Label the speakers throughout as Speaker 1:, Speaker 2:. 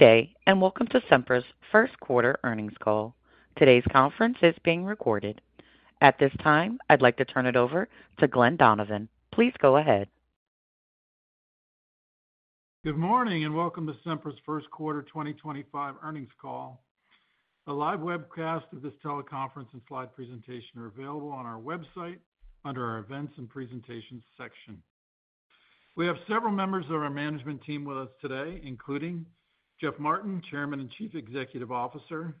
Speaker 1: Good day, and welcome to Sempra's first quarter earnings call. Today's conference is being recorded. At this time, I'd like to turn it over to Glen Donovan. Please go ahead.
Speaker 2: Good morning, and welcome to Sempra's first quarter 2025 earnings call. The live webcast of this teleconference and slide presentation are available on our website under our Events and Presentations section. We have several members of our management team with us today, including Jeff Martin, Chairman and Chief Executive Officer,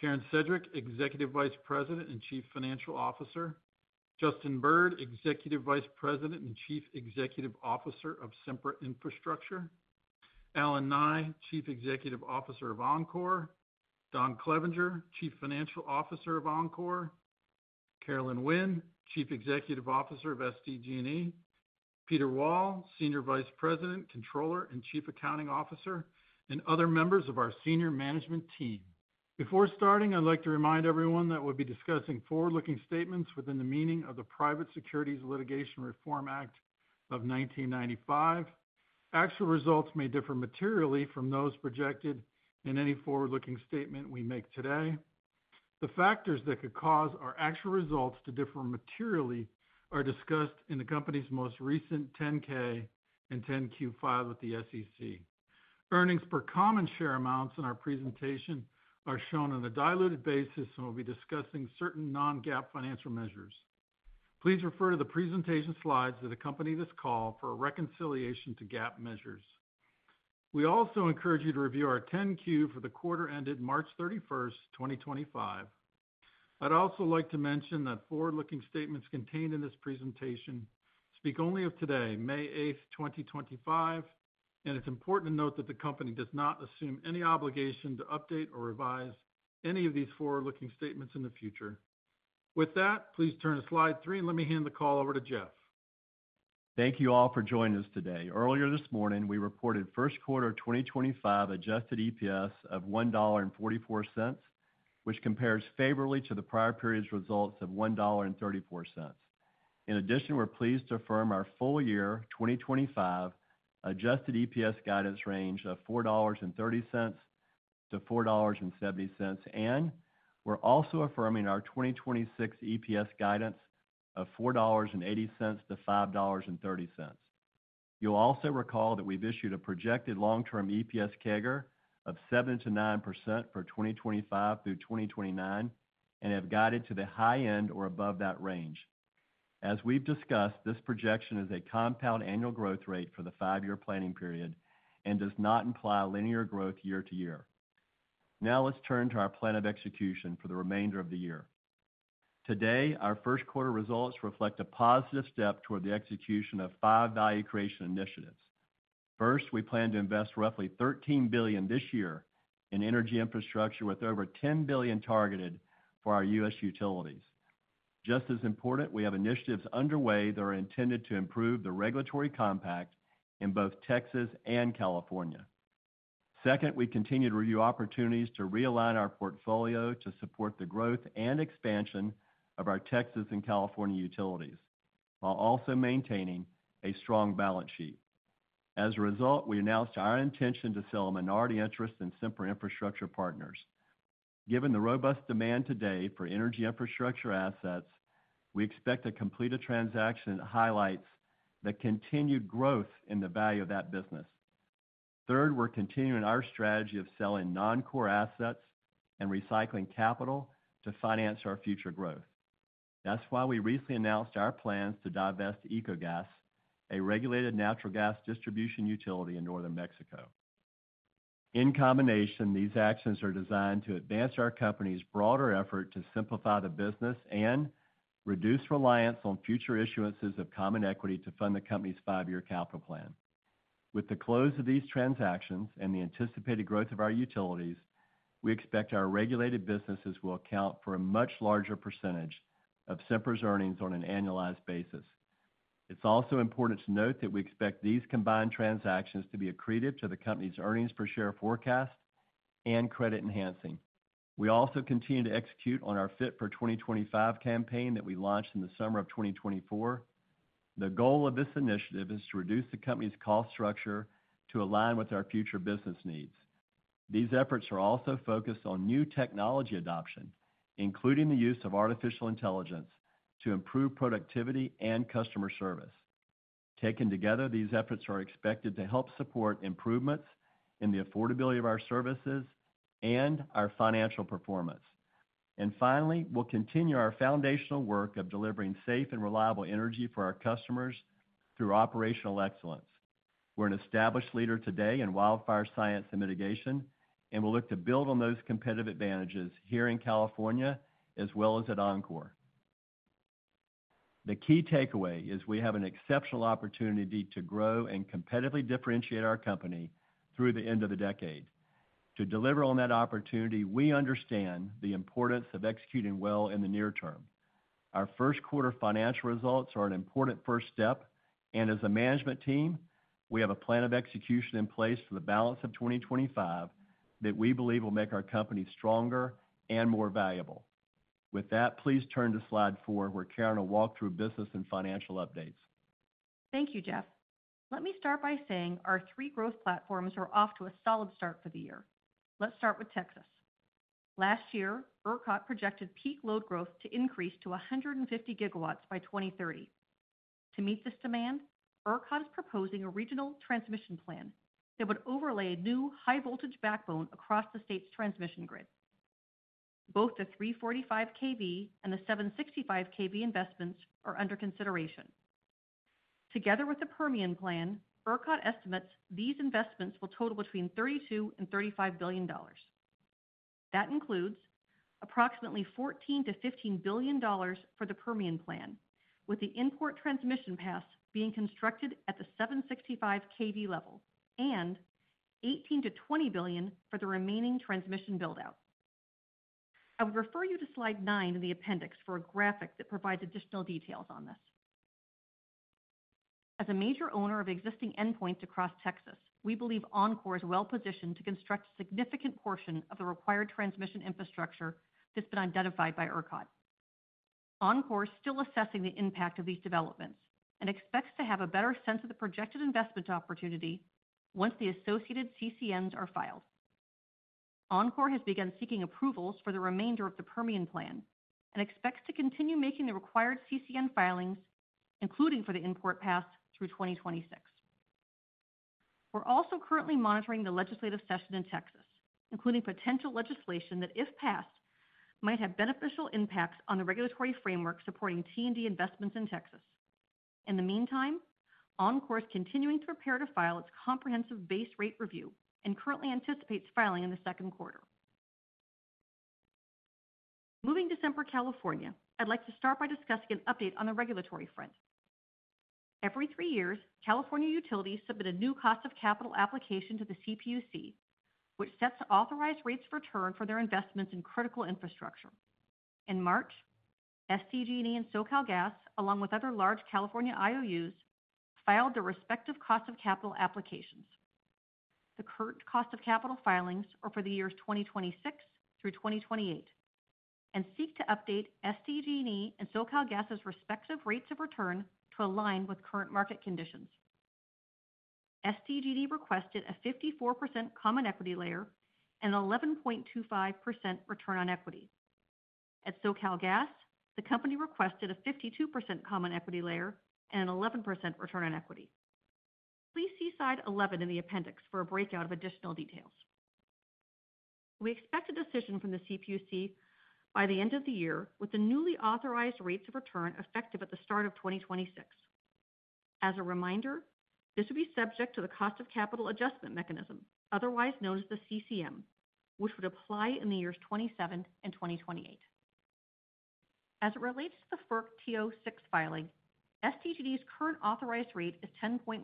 Speaker 2: Karen Sedgwick, Executive Vice President and Chief Financial Officer, Justin Bird, Executive Vice President and Chief Executive Officer of Sempra Infrastructure, Allen Nye, Chief Executive Officer of Oncor, Don Clevenger, Chief Financial Officer of Oncor, Caroline Winn, Chief Executive Officer of SDG&E, Peter Wall, Senior Vice President, Controller, and Chief Accounting Officer, and other members of our senior management team. Before starting, I'd like to remind everyone that we'll be discussing forward-looking statements within the meaning of the Private Securities Litigation Reform Act of 1995. Actual results may differ materially from those projected in any forward-looking statement we make today. The factors that could cause our actual results to differ materially are discussed in the company's most recent 10-K and 10-Q filed with the SEC. Earnings per common share amounts in our presentation are shown on a diluted basis, and we'll be discussing certain non-GAAP financial measures. Please refer to the presentation slides that accompany this call for a reconciliation to GAAP measures. We also encourage you to review our 10-Q for the quarter ended March 31st, 2025. I'd also like to mention that forward-looking statements contained in this presentation speak only of today, May 8th, 2025, and it's important to note that the company does not assume any obligation to update or revise any of these forward-looking statements in the future. With that, please turn to Slide 3, and let me hand the call over to Jeff.
Speaker 3: Thank you all for joining us today. Earlier this morning, we reported first quarter 2025 adjusted EPS of $1.44, which compares favorably to the prior period's results of $1.34. In addition, we're pleased to affirm our full year 2025 adjusted EPS guidance range of $4.30-$4.70, and we're also affirming our 2026 EPS guidance of $4.80-$5.30. You'll also recall that we've issued a projected long-term EPS CAGR of 7%-9% for 2025 through 2029 and have guided to the high end or above that range. As we've discussed, this projection is a compound annual growth rate for the five-year planning period and does not imply linear growth year-to-year. Now let's turn to our plan of execution for the remainder of the year. Today, our first quarter results reflect a positive step toward the execution of five value creation initiatives. First, we plan to invest roughly $13 billion this year in energy infrastructure, with over $10 billion targeted for our U.S. utilities. Just as important, we have initiatives underway that are intended to improve the regulatory compact in both Texas and California. Second, we continue to review opportunities to realign our portfolio to support the growth and expansion of our Texas and California utilities, while also maintaining a strong balance sheet. As a result, we announced our intention to sell minority interests in Sempra Infrastructure Partners. Given the robust demand today for energy infrastructure assets, we expect to complete a transaction that highlights the continued growth in the value of that business. Third, we're continuing our strategy of selling non-core assets and recycling capital to finance our future growth. That's why we recently announced our plans to divest Ecogas, a regulated natural gas distribution utility in northern Mexico. In combination, these actions are designed to advance our company's broader effort to simplify the business and reduce reliance on future issuances of common equity to fund the company's five-year capital plan. With the close of these transactions and the anticipated growth of our utilities, we expect our regulated businesses will account for a much larger percentage of Sempra's earnings on an annualized basis. It's also important to note that we expect these combined transactions to be accretive to the company's earnings per share forecast and credit enhancing. We also continue to execute on our Fit for 2025 campaign that we launched in the summer of 2024. The goal of this initiative is to reduce the company's cost structure to align with our future business needs. These efforts are also focused on new technology adoption, including the use of artificial intelligence to improve productivity and customer service. Taken together, these efforts are expected to help support improvements in the affordability of our services and our financial performance. Finally, we'll continue our foundational work of delivering safe and reliable energy for our customers through operational excellence. We're an established leader today in wildfire science and mitigation, and we'll look to build on those competitive advantages here in California as well as at Oncor. The key takeaway is we have an exceptional opportunity to grow and competitively differentiate our company through the end of the decade. To deliver on that opportunity, we understand the importance of executing well in the near term. Our first quarter financial results are an important first step, and as a management team, we have a plan of execution in place for the balance of 2025 that we believe will make our company stronger and more valuable. With that, please turn to Slide 4, where Karen will walk through business and financial updates.
Speaker 4: Thank you, Jeff. Let me start by saying our three growth platforms are off to a solid start for the year. Let's start with Texas. Last year, ERCOT projected peak load growth to increase to 150 GW by 2030. To meet this demand, ERCOT is proposing a regional transmission plan that would overlay a new high-voltage backbone across the state's transmission grid. Both the 345 kV and the 765 kV investments are under consideration. Together with the Permian Plan, ERCOT estimates these investments will total between $32 and $35 billion. That includes approximately $14 billion-$15 billion for the Permian Plan, with the import transmission path being constructed at the 765 kV level, and $18 billion-$20 billion for the remaining transmission buildout. I would refer you to Slide 9 in the appendix for a graphic that provides additional details on this. As a major owner of existing endpoints across Texas, we believe Oncor is well positioned to construct a significant portion of the required transmission infrastructure that's been identified by ERCOT. Oncor is still assessing the impact of these developments and expects to have a better sense of the projected investment opportunity once the associated CCNs are filed. Oncor has begun seeking approvals for the remainder of the Permian Plan and expects to continue making the required CCN filings, including for the import path through 2026. We're also currently monitoring the legislative session in Texas, including potential legislation that, if passed, might have beneficial impacts on the regulatory framework supporting T&D investments in Texas. In the meantime, Oncor is continuing to prepare to file its comprehensive base rate review and currently anticipates filing in the second quarter. Moving to Sempra California, I'd like to start by discussing an update on the regulatory front. Every three years, California utilities submit a new cost of capital application to the CPUC, which sets authorized rates of return for their investments in critical infrastructure. In March, SDG&E and SoCalGas, along with other large California IOUs, filed their respective cost of capital applications. The current cost of capital filings are for the years 2026 through 2028 and seek to update SDG&E and SoCalGas's respective rates of return to align with current market conditions. SDG&E requested a 54% common equity layer and an 11.25% return on equity. At SoCalGas, the company requested a 52% common equity layer and an 11% return on equity. Please see Slide 11 in the appendix for a breakout of additional details. We expect a decision from the CPUC by the end of the year, with the newly authorized rates of return effective at the start of 2026. As a reminder, this would be subject to the cost of capital adjustment mechanism, otherwise known as the CCM, which would apply in the years 2027 and 2028. As it relates to the FERC TO-6 filing, SDG&E's current authorized rate is 10.1%,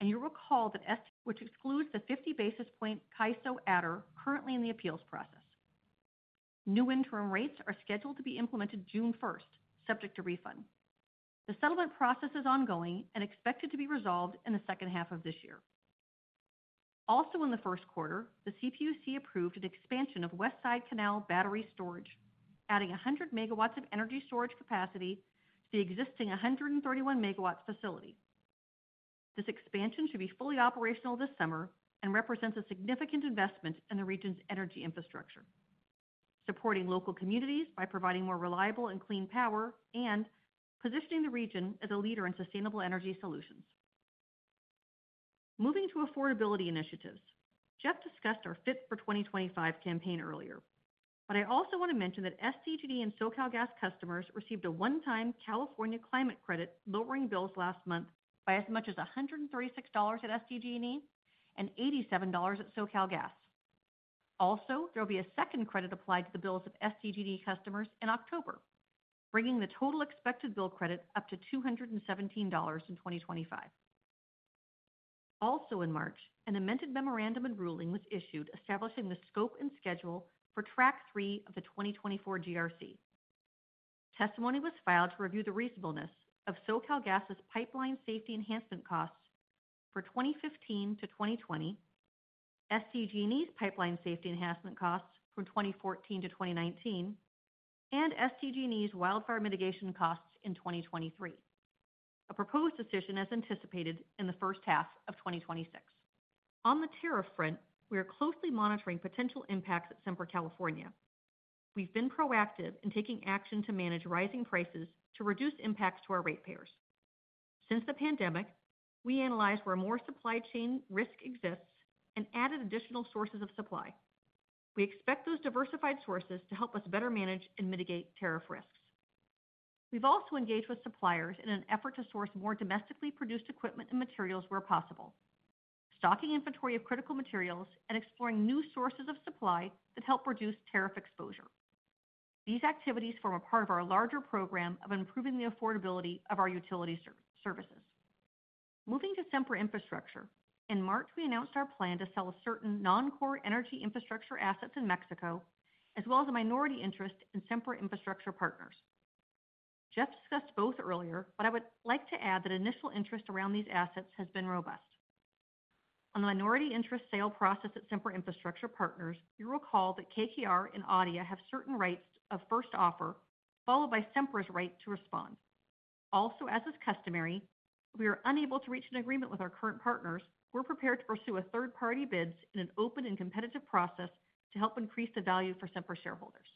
Speaker 4: and you'll recall that SDG&E, which excludes the 50 basis point CAISO adder, is currently in the appeals process. New interim rates are scheduled to be implemented June 1st, subject to refund. The settlement process is ongoing and expected to be resolved in the second half of this year. Also, in the first quarter, the CPUC approved an expansion of Westside Canal Battery Storage, adding 100MW of energy storage capacity to the existing 131 MW facility. This expansion should be fully operational this summer and represents a significant investment in the region's energy infrastructure, supporting local communities by providing more reliable and clean power and positioning the region as a leader in sustainable energy solutions. Moving to affordability initiatives, Jeff discussed our Fit for 2025 campaign earlier, but I also want to mention that SDG&E and SoCalGas customers received a one-time California Climate Credit lowering bills last month by as much as $136 at SDG&E and $87 at SoCalGas. Also, there will be a second credit applied to the bills of SDG&E customers in October, bringing the total expected bill credit up to $217 in 2025. Also, in March, an amended memorandum and ruling was issued establishing the scope and schedule for Track 3 of the 2024 GRC. Testimony was filed to review the reasonableness of SoCalGas's pipeline safety enhancement costs for 2015 to 2020, SDG&E's pipeline safety enhancement costs from 2014 to 2019, and SDG&E's wildfire mitigation costs in 2023. A proposed decision is anticipated in the first half of 2026. On the tariff front, we are closely monitoring potential impacts at Sempra California. We've been proactive in taking action to manage rising prices to reduce impacts to our ratepayers. Since the pandemic, we analyzed where more supply chain risk exists and added additional sources of supply. We expect those diversified sources to help us better manage and mitigate tariff risks. We've also engaged with suppliers in an effort to source more domestically produced equipment and materials where possible, stocking inventory of critical materials, and exploring new sources of supply that help reduce tariff exposure. These activities form a part of our larger program of improving the affordability of our utility services. Moving to Sempra Infrastructure, in March, we announced our plan to sell a certain non-core energy infrastructure asset in Mexico, as well as a minority interest in Sempra Infrastructure Partners. Jeff discussed both earlier, but I would like to add that initial interest around these assets has been robust. On the minority interest sale process at Sempra Infrastructure Partners, you'll recall that KKR and ADIA have certain rights of first offer, followed by Sempra's right to respond. Also, as is customary, if we are unable to reach an agreement with our current partners, we're prepared to pursue third-party bids in an open and competitive process to help increase the value for Sempra shareholders.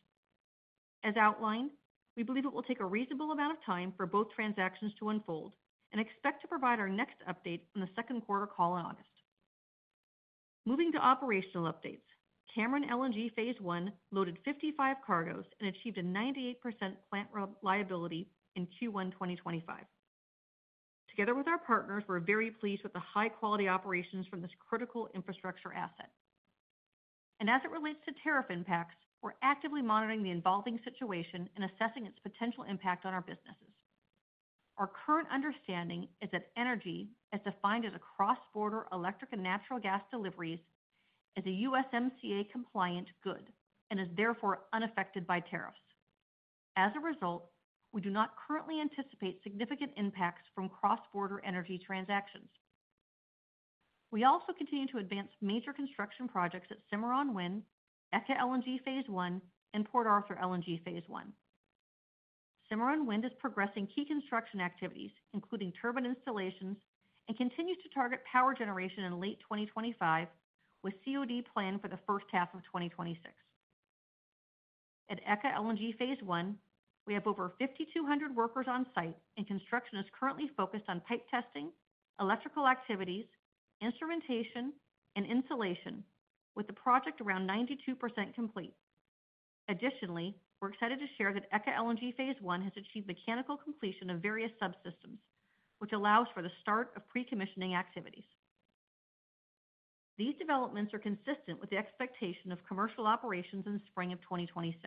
Speaker 4: As outlined, we believe it will take a reasonable amount of time for both transactions to unfold and expect to provide our next update on the second quarter call in August. Moving to operational updates, Cameron LNG Phase 1 loaded 55 cargoes and achieved a 98% plant reliability in Q1 2025. Together with our partners, we're very pleased with the high-quality operations from this critical infrastructure asset. And as it relates to tariff impacts, we're actively monitoring the evolving situation and assessing its potential impact on our businesses. Our current understanding is that energy, as defined as a cross-border electric and natural gas deliveries, is a USMCA-compliant good and is therefore unaffected by tariffs. As a result, we do not currently anticipate significant impacts from cross-border energy transactions. We also continue to advance major construction projects at Cimarron Wind, ECA LNG Phase 1, and Port Arthur LNG Phase 1. Cimarron Wind is progressing key construction activities, including turbine installations, and continues to target power generation in late 2025, with COD planned for the first half of 2026. At ECA LNG Phase 1, we have over 5,200 workers on site, and construction is currently focused on pipe testing, electrical activities, instrumentation, and insulation, with the project around 92% complete. Additionally, we're excited to share that ECA LNG Phase 1 has achieved mechanical completion of various subsystems, which allows for the start of pre-commissioning activities. These developments are consistent with the expectation of commercial operations in spring of 2026.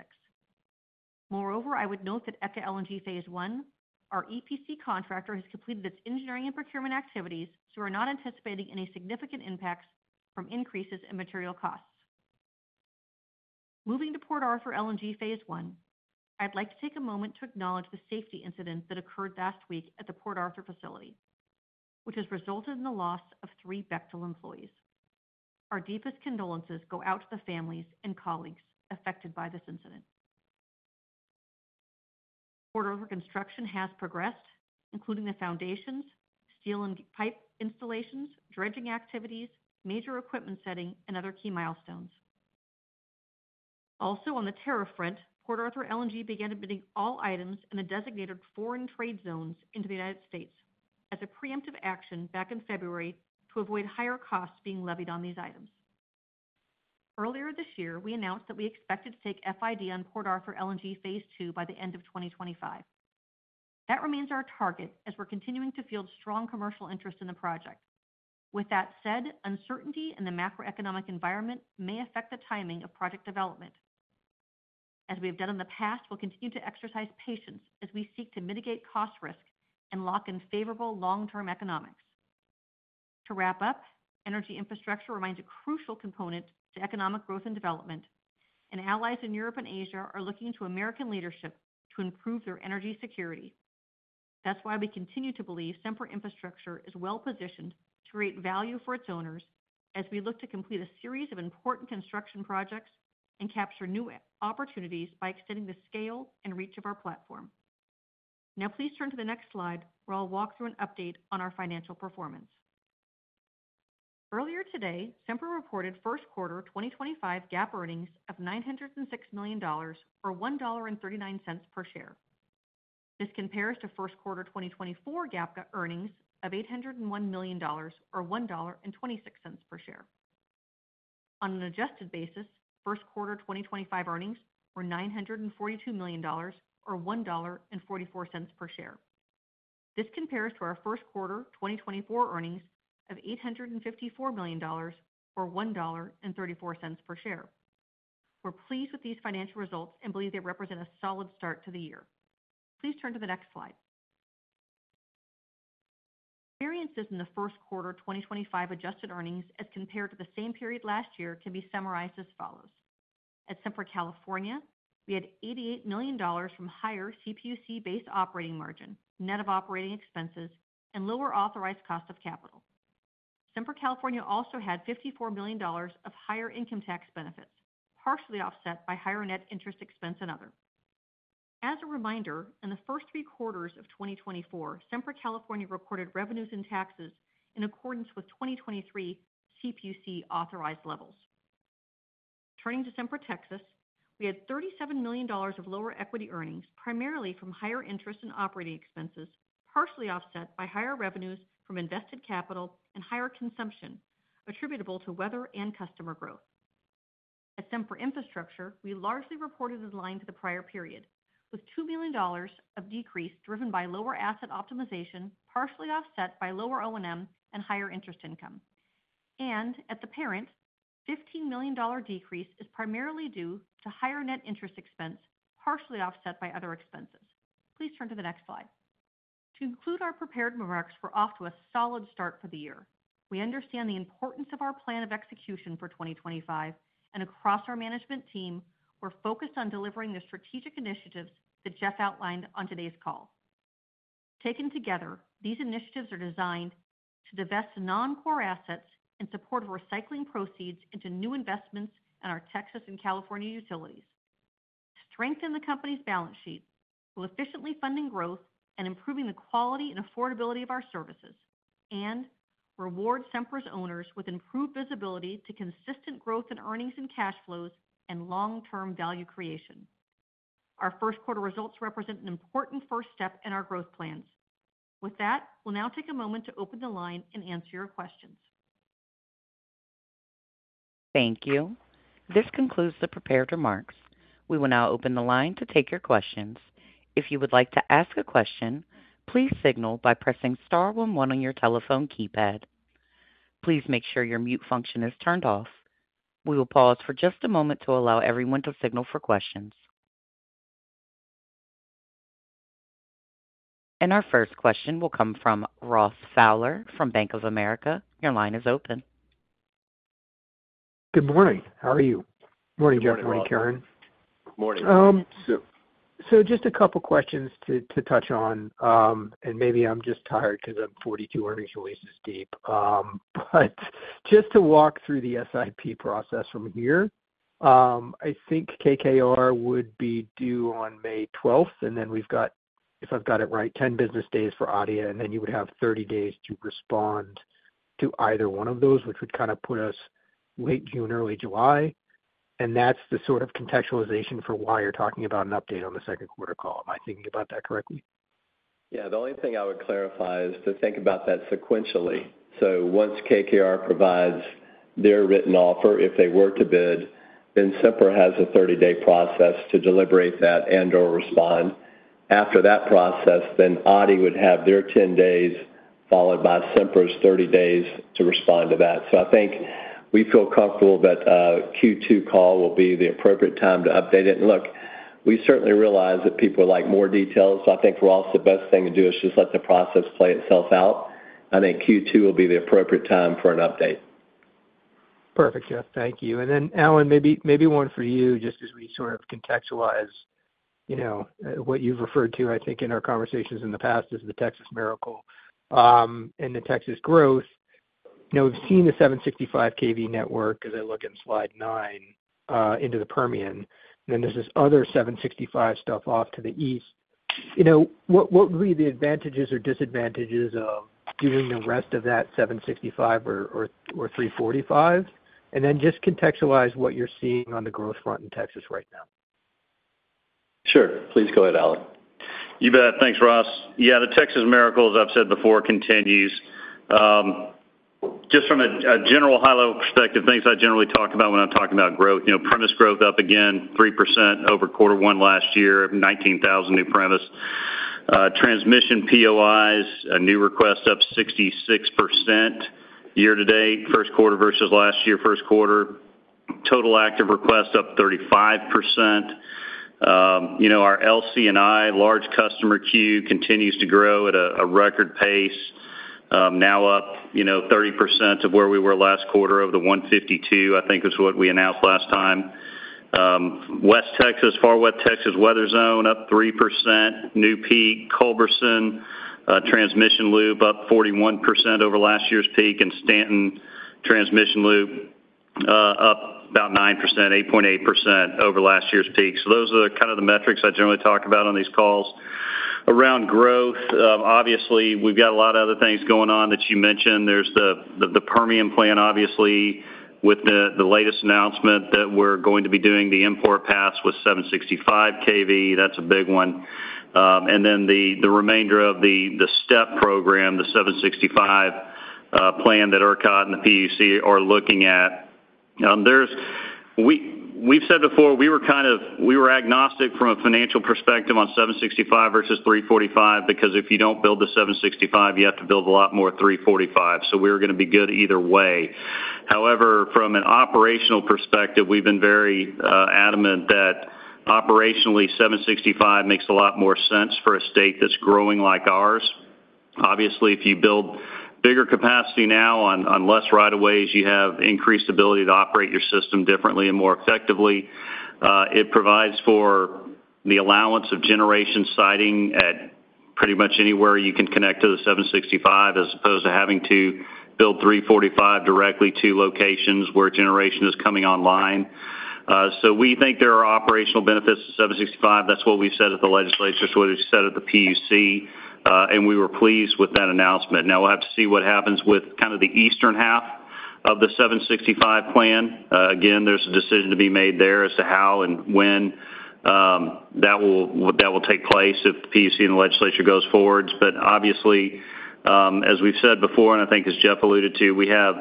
Speaker 4: Moreover, I would note that ECA LNG Phase 1, our EPC contractor, has completed its engineering and procurement activities, so we're not anticipating any significant impacts from increases in material costs. Moving to Port Arthur LNG Phase 1, I'd like to take a moment to acknowledge the safety incident that occurred last week at the Port Arthur facility, which has resulted in the loss of three Bechtel employees. Our deepest condolences go out to the families and colleagues affected by this incident. Port Arthur construction has progressed, including the foundations, steel and pipe installations, dredging activities, major equipment setting, and other key milestones. Also, on the tariff front, Port Arthur LNG began admitting all items in the designated foreign trade zones into the United States as a preemptive action back in February to avoid higher costs being levied on these items. Earlier this year, we announced that we expected to take FID on Port Arthur LNG Phase 2 by the end of 2025. That remains our target as we're continuing to field strong commercial interest in the project. With that said, uncertainty in the macroeconomic environment may affect the timing of project development. As we have done in the past, we'll continue to exercise patience as we seek to mitigate cost risk and lock in favorable long-term economics. To wrap up, energy infrastructure remains a crucial component to economic growth and development, and allies in Europe and Asia are looking to American leadership to improve their energy security. That's why we continue to believe Sempra Infrastructure is well positioned to create value for its owners as we look to complete a series of important construction projects and capture new opportunities by extending the scale and reach of our platform. Now, please turn to the next slide, where I'll walk through an update on our financial performance. Earlier today, Sempra reported first quarter 2025 GAAP earnings of $906 million or $1.39 per share. This compares to first quarter 2024 GAAP earnings of $801 million or $1.26 per share. On an adjusted basis, first quarter 2025 earnings were $942 million or $1.44 per share. This compares to our first quarter 2024 earnings of $854 million or $1.34 per share. We're pleased with these financial results and believe they represent a solid start to the year. Please turn to the next slide. Variances in the first quarter 2025 adjusted earnings as compared to the same period last year can be summarized as follows. At Sempra California, we had $88 million from higher CPUC-based operating margin, net of operating expenses, and lower authorized cost of capital. Sempra California also had $54 million of higher income tax benefits, partially offset by higher net interest expense and other. As a reminder, in the first three quarters of 2024, Sempra California recorded revenues and taxes in accordance with 2023 CPUC authorized levels. Turning to Sempra Texas, we had $37 million of lower equity earnings, primarily from higher interest and operating expenses, partially offset by higher revenues from invested capital and higher consumption attributable to weather and customer growth. At Sempra Infrastructure, we largely reported in line to the prior period, with $2 million of decrease driven by lower asset optimization, partially offset by lower O&M and higher interest income, and at the parent, $15 million decrease is primarily due to higher net interest expense, partially offset by other expenses. Please turn to the next slide. To conclude our prepared remarks, we're off to a solid start for the year. We understand the importance of our plan of execution for 2025, and across our management team, we're focused on delivering the strategic initiatives that Jeff outlined on today's call. Taken together, these initiatives are designed to divest non-core assets and support recycling proceeds into new investments in our Texas and California utilities, strengthen the company's balance sheet while efficiently funding growth and improving the quality and affordability of our services, and reward Sempra's owners with improved visibility to consistent growth in earnings and cash flows and long-term value creation. Our first quarter results represent an important first step in our growth plans. With that, we'll now take a moment to open the line and answer your questions.
Speaker 1: Thank you. This concludes the prepared remarks. We will now open the line to take your questions. If you would like to ask a question, please signal by pressing star one one on your telephone keypad. Please make sure your mute function is turned off. We will pause for just a moment to allow everyone to signal for questions, and our first question will come from Ross Fowler from Bank of America. Your line is open. Good morning. How are you? Morning, Jeff. Morning, Karen.
Speaker 3: Good morning.
Speaker 5: So just a couple of questions to touch on, and maybe I'm just tired because I'm 42 earnings releases deep. But just to walk through the SIP process from here, I think KKR would be due on May 12th, and then we've got, if I've got it right, 10 business days for ADIA, and then you would have 30 days to respond to either one of those, which would kind of put us late June, early July. That's the sort of contextualization for why you're talking about an update on the second quarter call. Am I thinking about that correctly?
Speaker 3: Yeah. The only thing I would clarify is to think about that sequentially. Once KKR provides their written offer, if they were to bid, then Sempra has a 30-day process to deliberate that and/or respond. After that process, then ADIA would have their 10 days followed by Sempra's 30 days to respond to that. I think we feel comfortable that Q2 call will be the appropriate time to update it. Look, we certainly realize that people like more details. I think for us, the best thing to do is just let the process play itself out. I think Q2 will be the appropriate time for an update.
Speaker 5: Perfect, Jeff. Thank you. And then, Allen, maybe one for you, just as we sort of contextualize what you've referred to, I think, in our conversations in the past as the Texas miracle and the Texas growth. Now, we've seen the 765 kV network, as I look in Slide 9, into the Permian, and then there's this other 765 stuff off to the east. What would be the advantages or disadvantages of doing the rest of that 765 or 345? And then just contextualize what you're seeing on the growth front in Texas right now.
Speaker 3: Sure. Please go ahead, Allen.
Speaker 6: You bet. Thanks, Ross. Yeah, the Texas miracle, as I've said before, continues. Just from a general high-level perspective, things I generally talk about when I'm talking about growth. Premise growth up again, 3% over quarter one last year, 19,000 new premises. Transmission POIs, a new request up 66% year-to-date, first quarter versus last year, first quarter. Total active request up 35%. Our LC&I, large customer queue, continues to grow at a record pace, now up 30% of where we were last quarter of the 152, I think, is what we announced last time. West Texas, Far West Texas weather zone, up 3%. New Peak, Culberson, transmission loop, up 41% over last year's peak, and Stanton transmission loop, up about 9%, 8.8% over last year's peak. So those are kind of the metrics I generally talk about on these calls. Around growth, obviously, we've got a lot of other things going on that you mentioned. There's the Permian plan, obviously, with the latest announcement that we're going to be doing the import path with 765 kV. That's a big one. And then the remainder of the STEP program, the 765 plan that ERCOT and the PUC are looking at. We've said before, we were kind of agnostic from a financial perspective on 765 versus 345 because if you don't build the 765, you have to build a lot more 345. So we're going to be good either way. However, from an operational perspective, we've been very adamant that operationally, 765 makes a lot more sense for a state that's growing like ours. Obviously, if you build bigger capacity now on less rights-of-way, you have increased ability to operate your system differently and more effectively. It provides for the allowance of generation siting at pretty much anywhere you can connect to the 765, as opposed to having to build 345 directly to locations where generation is coming online. So we think there are operational benefits to 765. That's what we've said at the legislature, is what we've said at the PUC, and we were pleased with that announcement. Now, we'll have to see what happens with kind of the eastern half of the 765 plan. Again, there's a decision to be made there as to how and when that will take place if the PUC and the legislature goes forward. But obviously, as we've said before, and I think as Jeff alluded to, we have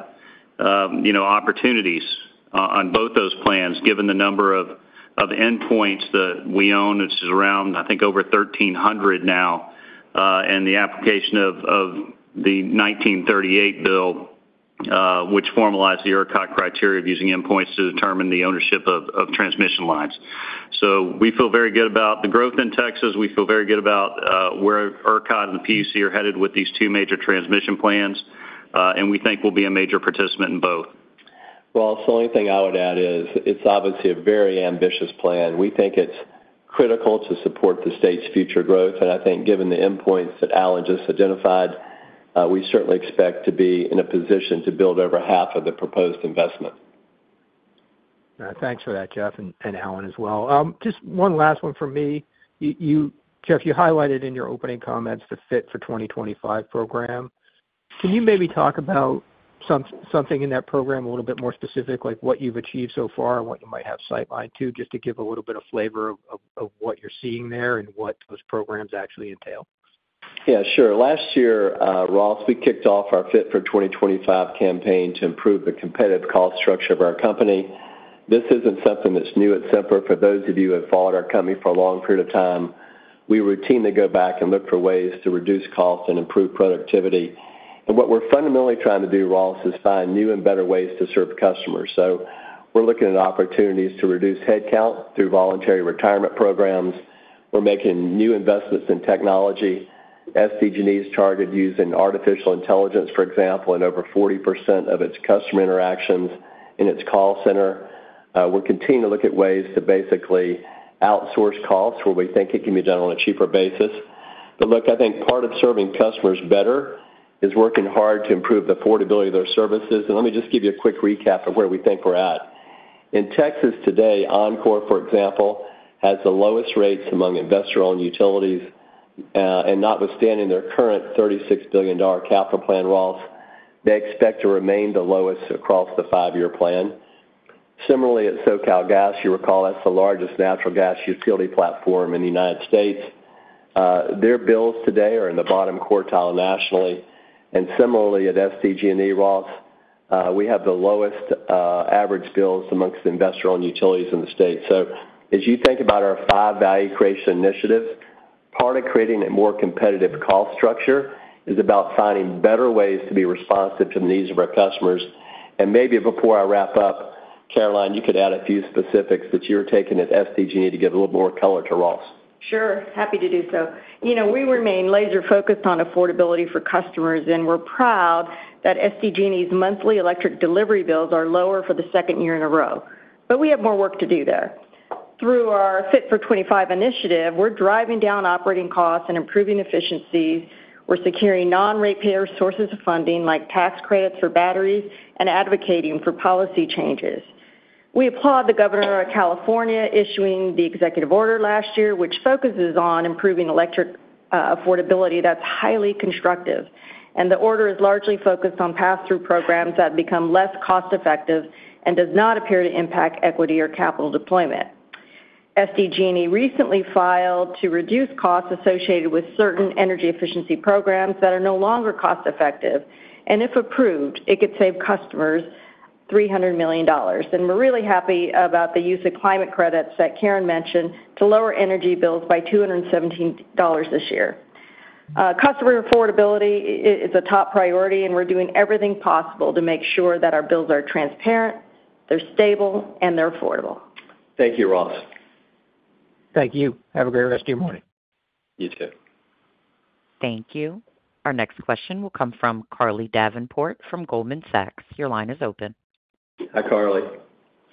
Speaker 6: opportunities on both those plans, given the number of endpoints that we own, which is around, I think, over 1,300 now, and the application of the 1938 bill, which formalized the ERCOT criteria of using endpoints to determine the ownership of transmission lines. So we feel very good about the growth in Texas. We feel very good about where ERCOT and the PUC are headed with these two major transmission plans, and we think we'll be a major participant in both. The only thing I would add is it's obviously a very ambitious plan. We think it's critical to support the state's future growth. I think given the endpoints that Allen just identified, we certainly expect to be in a position to build over half of the proposed investment. Thanks for that, Jeff, and Allen as well. Just one last one from me. Jeff, you highlighted in your opening comments the Fit for 2025 program. Can you maybe talk about something in that program a little bit more specific, like what you've achieved so far and what you might have sightlined to, just to give a little bit of flavor of what you're seeing there and what those programs actually entail?
Speaker 3: Yeah, sure. Last year, Ross, we kicked off our Fit for 2025 campaign to improve the competitive cost structure of our company. This isn't something that's new at Sempra. For those of you who have followed our company for a long period of time, we routinely go back and look for ways to reduce cost and improve productivity, and what we're fundamentally trying to do, Ross, is find new and better ways to serve customers, so we're looking at opportunities to reduce headcount through voluntary retirement programs. We're making new investments in technology. SDG&E targets using artificial intelligence, for example, in over 40% of its customer interactions in its call center. We're continuing to look at ways to basically outsource costs where we think it can be done on a cheaper basis. But look, I think part of serving customers better is working hard to improve the affordability of their services. And let me just give you a quick recap of where we think we're at. In Texas today, Oncor, for example, has the lowest rates among investor-owned utilities. And notwithstanding their current $36 billion capital plan, Ross, they expect to remain the lowest across the five-year plan. Similarly, at SoCalGas, you recall that's the largest natural gas utility platform in the United States. Their bills today are in the bottom quartile nationally. And similarly, at SDG&E, we have the lowest average bills amongst investor-owned utilities in the state. So as you think about our five value creation initiatives, part of creating a more competitive cost structure is about finding better ways to be responsive to the needs of our customers. And maybe before I wrap up, Caroline, you could add a few specifics that you're taking at SDG&E to give a little more color to Ross.
Speaker 7: Sure. Happy to do so. We remain laser-focused on affordability for customers, and we're proud that SDG&E's monthly electric delivery bills are lower for the second year in a row. But we have more work to do there. Through our Fit for 2025 initiative, we're driving down operating costs and improving efficiencies. We're securing non-ratepayer sources of funding, like tax credits for batteries, and advocating for policy changes. We applaud the Governor of California issuing the executive order last year, which focuses on improving electric affordability. That's highly constructive. And the order is largely focused on pass-through programs that become less cost-effective and does not appear to impact equity or capital deployment. SDG&E recently filed to reduce costs associated with certain energy efficiency programs that are no longer cost-effective. And if approved, it could save customers $300 million. And we're really happy about the use of climate credits that Karen mentioned to lower energy bills by $217 this year. Customer affordability is a top priority, and we're doing everything possible to make sure that our bills are transparent, they're stable, and they're affordable.
Speaker 3: Thank you, Ross.
Speaker 5: Thank you. Have a great rest of your morning.
Speaker 3: You too.
Speaker 1: Thank you. Our next question will come from Carly Davenport from Goldman Sachs. Your line is open.
Speaker 3: Hi, Carly.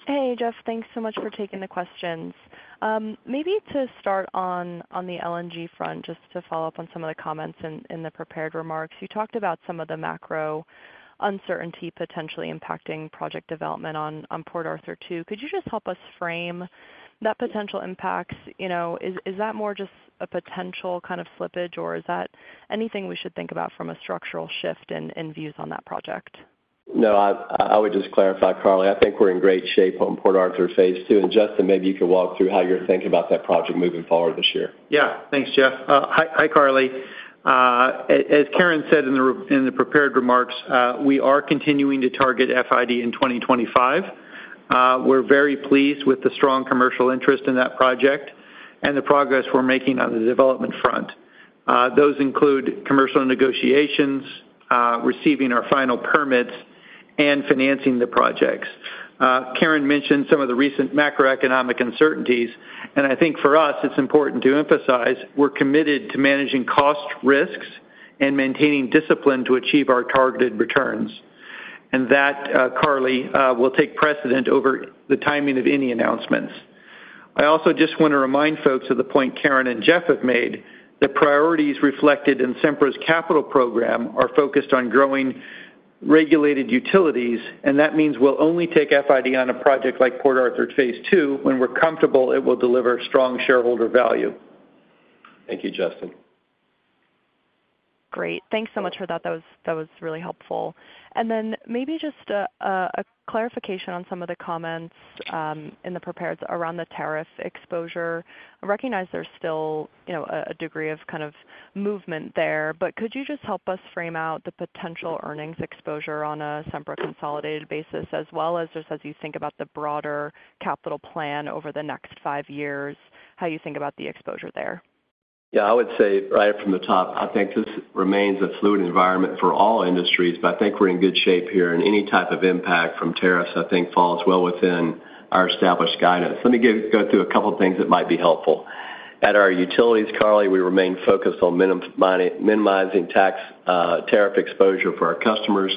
Speaker 8: Hey, Jeff. Thanks so much for taking the questions. Maybe to start on the LNG front, just to follow up on some of the comments in the prepared remarks, you talked about some of the macro uncertainty potentially impacting project development on Port Arthur, too. Could you just help us frame that potential impact? Is that more just a potential kind of slippage, or is that anything we should think about from a structural shift in views on that project?
Speaker 3: No, I would just clarify, Carly. I think we're in great shape on Port Arthur Phase II. And Justin, maybe you could walk through how you're thinking about that project moving forward this year.
Speaker 9: Yeah. Thanks, Jeff. Hi, Carly. As Karen said in the prepared remarks, we are continuing to target FID in 2025. We're very pleased with the strong commercial interest in that project and the progress we're making on the development front. Those include commercial negotiations, receiving our final permits, and financing the projects. Karen mentioned some of the recent macroeconomic uncertainties, and I think for us, it's important to emphasize we're committed to managing cost risks and maintaining discipline to achieve our targeted returns. And that, Carly, will take precedence over the timing of any announcements. I also just want to remind folks of the point Karen and Jeff have made that priorities reflected in Sempra's capital program are focused on growing regulated utilities, and that means we'll only take FID on a project like Port Arthur Phase II when we're comfortable it will deliver strong shareholder value.
Speaker 3: Thank you, Justin.
Speaker 8: Great. Thanks so much for that. That was really helpful. And then maybe just a clarification on some of the comments in the prepared around the tariff exposure. I recognize there's still a degree of kind of movement there, but could you just help us frame out the potential earnings exposure on a Sempra consolidated basis, as well as just as you think about the broader capital plan over the next five years, how you think about the exposure there?
Speaker 3: Yeah, I would say right from the top, I think this remains a fluid environment for all industries, but I think we're in good shape here, and any type of impact from tariffs, I think, falls well within our established guidance. Let me go through a couple of things that might be helpful. At our utilities, Carly, we remain focused on minimizing tariff exposure for our customers.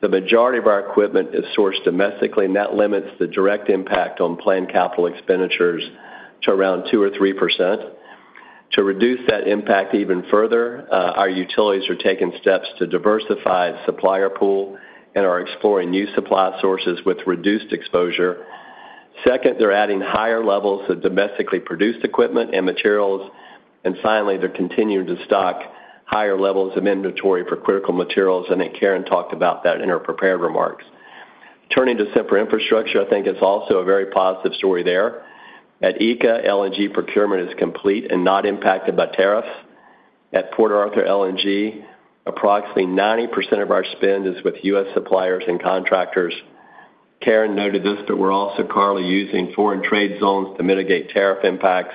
Speaker 3: The majority of our equipment is sourced domestically, and that limits the direct impact on planned capital expenditures to around 2%-3%. To reduce that impact even further, our utilities are taking steps to diversify the supplier pool and are exploring new supply sources with reduced exposure. Second, they're adding higher levels of domestically produced equipment and materials, and finally, they're continuing to stock higher levels of inventory for critical materials, and Karen talked about that in her prepared remarks. Turning to Sempra Infrastructure, I think it's also a very positive story there. At ECA LNG procurement is complete and not impacted by tariffs. At Port Arthur LNG, approximately 90% of our spend is with U.S. suppliers and contractors. Karen noted this, but we're also, Carly, using foreign trade zones to mitigate tariff impacts,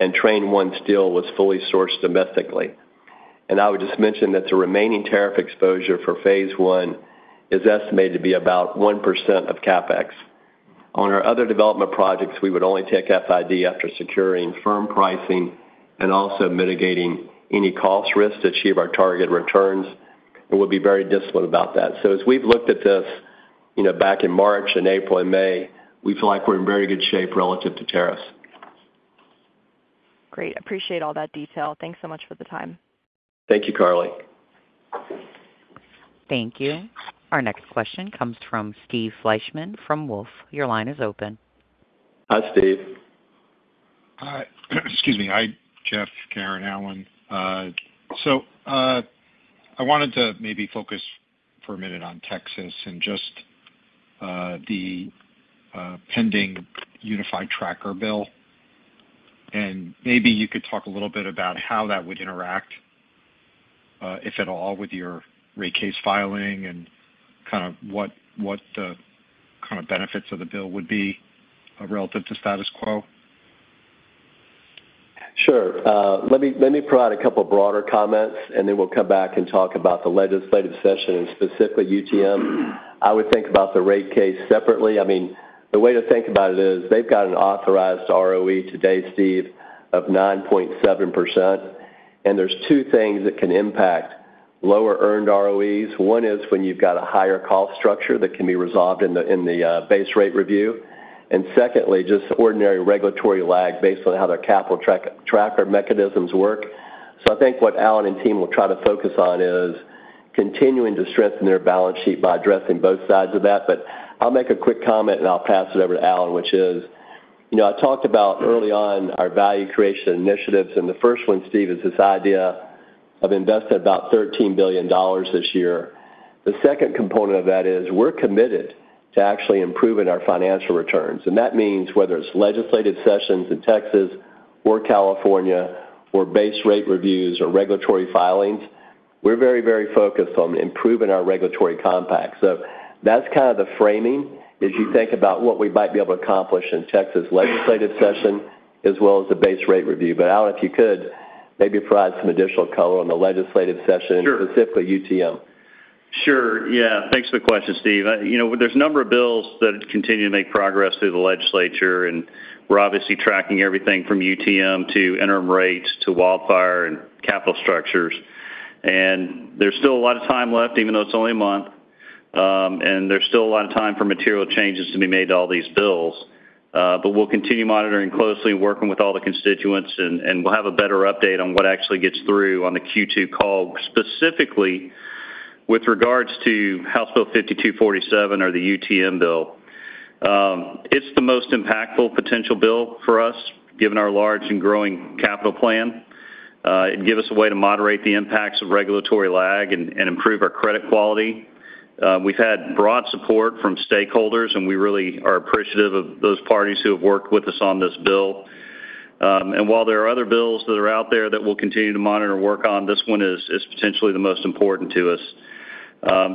Speaker 3: and Train 1 steel was fully sourced domestically, and I would just mention that the remaining tariff exposure for Phase I is estimated to be about 1% of CapEx. On our other development projects, we would only take FID after securing firm pricing and also mitigating any cost risks to achieve our target returns. And we'll be very disciplined about that. So as we've looked at this back in March and April and May, we feel like we're in very good shape relative to tariffs.
Speaker 8: Great. Appreciate all that detail. Thanks so much for the time.
Speaker 3: Thank you, Carly.
Speaker 1: Thank you. Our next question comes from Steve Fleishman from Wolfe. Your line is open.
Speaker 3: Hi, Steve.
Speaker 10: Hi. Excuse me. Hi, Jeff, Karen, Allen. So I wanted to maybe focus for a minute on Texas and just the pending unified tracker bill. And maybe you could talk a little bit about how that would interact, if at all, with your rate case filing and kind of what the kind of benefits of the bill would be relative to status quo.
Speaker 3: Sure. Let me provide a couple of broader comments, and then we'll come back and talk about the legislative session and specifically UTM. I would think about the rate case separately. I mean, the way to think about it is they've got an authorized ROE today, Steve, of 9.7%. And there's two things that can impact lower earned ROEs. One is when you've got a higher cost structure that can be resolved in the base rate review. And secondly, just ordinary regulatory lag based on how their capital tracker mechanisms work. So I think what Allen and team will try to focus on is continuing to strengthen their balance sheet by addressing both sides of that. But I'll make a quick comment, and I'll pass it over to Allen, which is I talked about early on our value creation initiatives. And the first one, Steve, is this idea of investing about $13 billion this year. The second component of that is we're committed to actually improving our financial returns. And that means whether it's legislative sessions in Texas or California or base rate reviews or regulatory filings, we're very, very focused on improving our regulatory compact. So that's kind of the framing as you think about what we might be able to accomplish in Texas legislative session as well as the base rate review. But Allen, if you could maybe provide some additional color on the legislative session, specifically UTM.
Speaker 6: Sure. Yeah. Thanks for the question, Steve. There's a number of bills that continue to make progress through the legislature, and we're obviously tracking everything from UTM to interim rates to wildfire and capital structures. And there's still a lot of time left, even though it's only a month. There's still a lot of time for material changes to be made to all these bills. We'll continue monitoring closely and working with all the constituents, and we'll have a better update on what actually gets through on the Q2 call, specifically with regards to House Bill 5247 or the UTM bill. It's the most impactful potential bill for us, given our large and growing capital plan. It gives us a way to moderate the impacts of regulatory lag and improve our credit quality. We've had broad support from stakeholders, and we really are appreciative of those parties who have worked with us on this bill. While there are other bills that are out there that we'll continue to monitor and work on, this one is potentially the most important to us.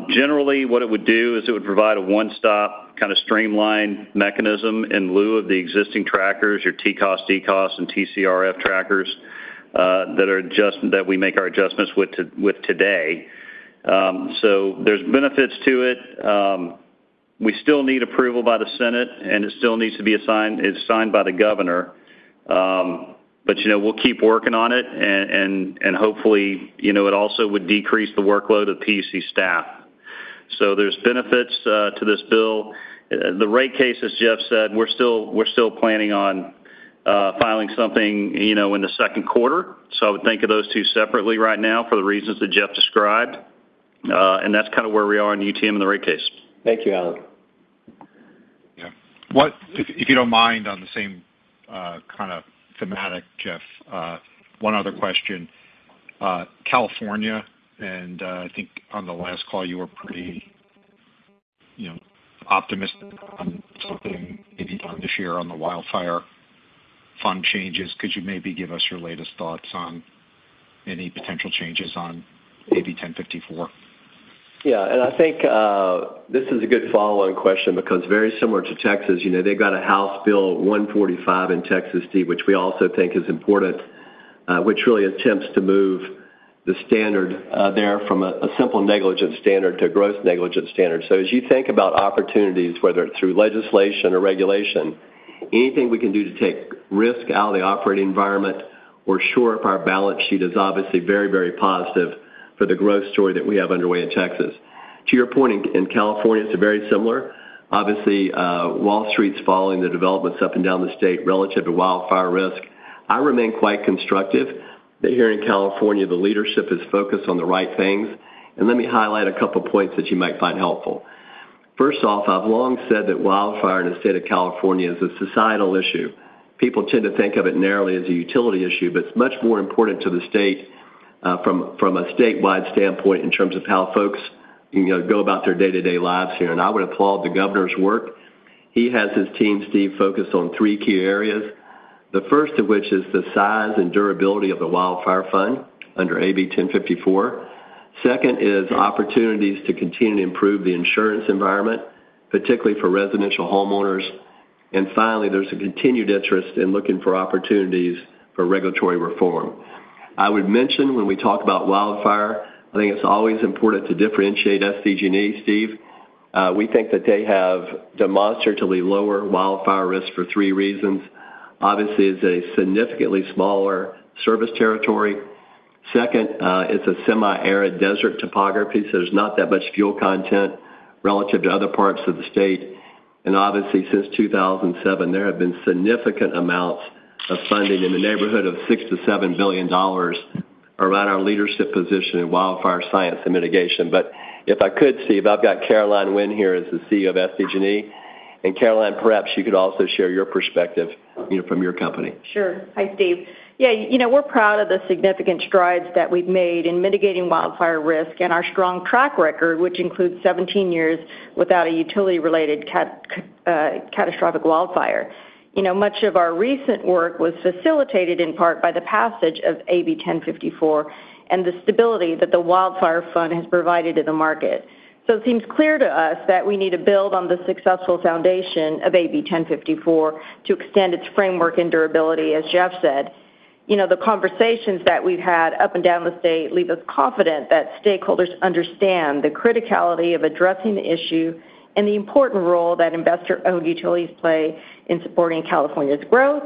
Speaker 6: Generally, what it would do is it would provide a one-stop kind of streamlined mechanism in lieu of the existing trackers, your TCOS, DCOS, and TCRF trackers that we make our adjustments with today. So there's benefits to it. We still need approval by the Senate, and it still needs to be signed by the governor. But we'll keep working on it, and hopefully, it also would decrease the workload of the PUC staff. So there's benefits to this bill. The rate case, as Jeff said, we're still planning on filing something in the second quarter. So I would think of those two separately right now for the reasons that Jeff described. And that's kind of where we are in UTM and the rate case.
Speaker 3: Thank you, Allen.
Speaker 10: Yeah. If you don't mind, on the same kind of theme, Jeff, one other question. California, and I think on the last call, you were pretty optimistic on something maybe on this year on the Wildfire Fund changes. Could you maybe give us your latest thoughts on any potential changes on AB 1054?
Speaker 3: Yeah. And I think this is a good follow-on question because very similar to Texas, they've got a House Bill 145 in Texas, Steve, which we also think is important, which really attempts to move the standard there from a simple negligence standard to a gross negligence standard. So as you think about opportunities, whether it's through legislation or regulation, anything we can do to take risk out of the operating environment or shore up our balance sheet is obviously very, very positive for the growth story that we have underway in Texas. To your point, in California, it's very similar. Obviously, Wall Street's following the developments up and down the state relative to wildfire risk. I remain quite constructive that here in California, the leadership is focused on the right things. And let me highlight a couple of points that you might find helpful. First off, I've long said that wildfire in the state of California is a societal issue. People tend to think of it narrowly as a utility issue, but it's much more important to the state from a statewide standpoint in terms of how folks go about their day-to-day lives here. And I would applaud the governor's work. He has his team, Steve, focused on three key areas, the first of which is the size and durability of the Wildfire Fund under AB 1054. Second is opportunities to continue to improve the insurance environment, particularly for residential homeowners. And finally, there's a continued interest in looking for opportunities for regulatory reform. I would mention when we talk about wildfire, I think it's always important to differentiate SDG&E, Steve. We think that they have demonstratively lower wildfire risk for three reasons. Obviously, it's a significantly smaller service territory. Second, it's a semi-arid desert topography, so there's not that much fuel content relative to other parts of the state. And obviously, since 2007, there have been significant amounts of funding in the neighborhood of $6-$7 billion around our leadership position in wildfire science and mitigation. But if I could, Steve, I've got Caroline Winn here as the CEO of SDG&E. And Caroline, perhaps you could also share your perspective from your company.
Speaker 7: Sure. Hi, Steve. Yeah. We're proud of the significant strides that we've made in mitigating wildfire risk and our strong track record, which includes 17 years without a utility-related catastrophic wildfire. Much of our recent work was facilitated in part by the passage of AB 1054 and the stability that the Wildfire Fund has provided to the market. So it seems clear to us that we need to build on the successful foundation of AB 1054 to extend its framework and durability, as Jeff said. The conversations that we've had up and down the state leave us confident that stakeholders understand the criticality of addressing the issue and the important role that investor-owned utilities play in supporting California's growth,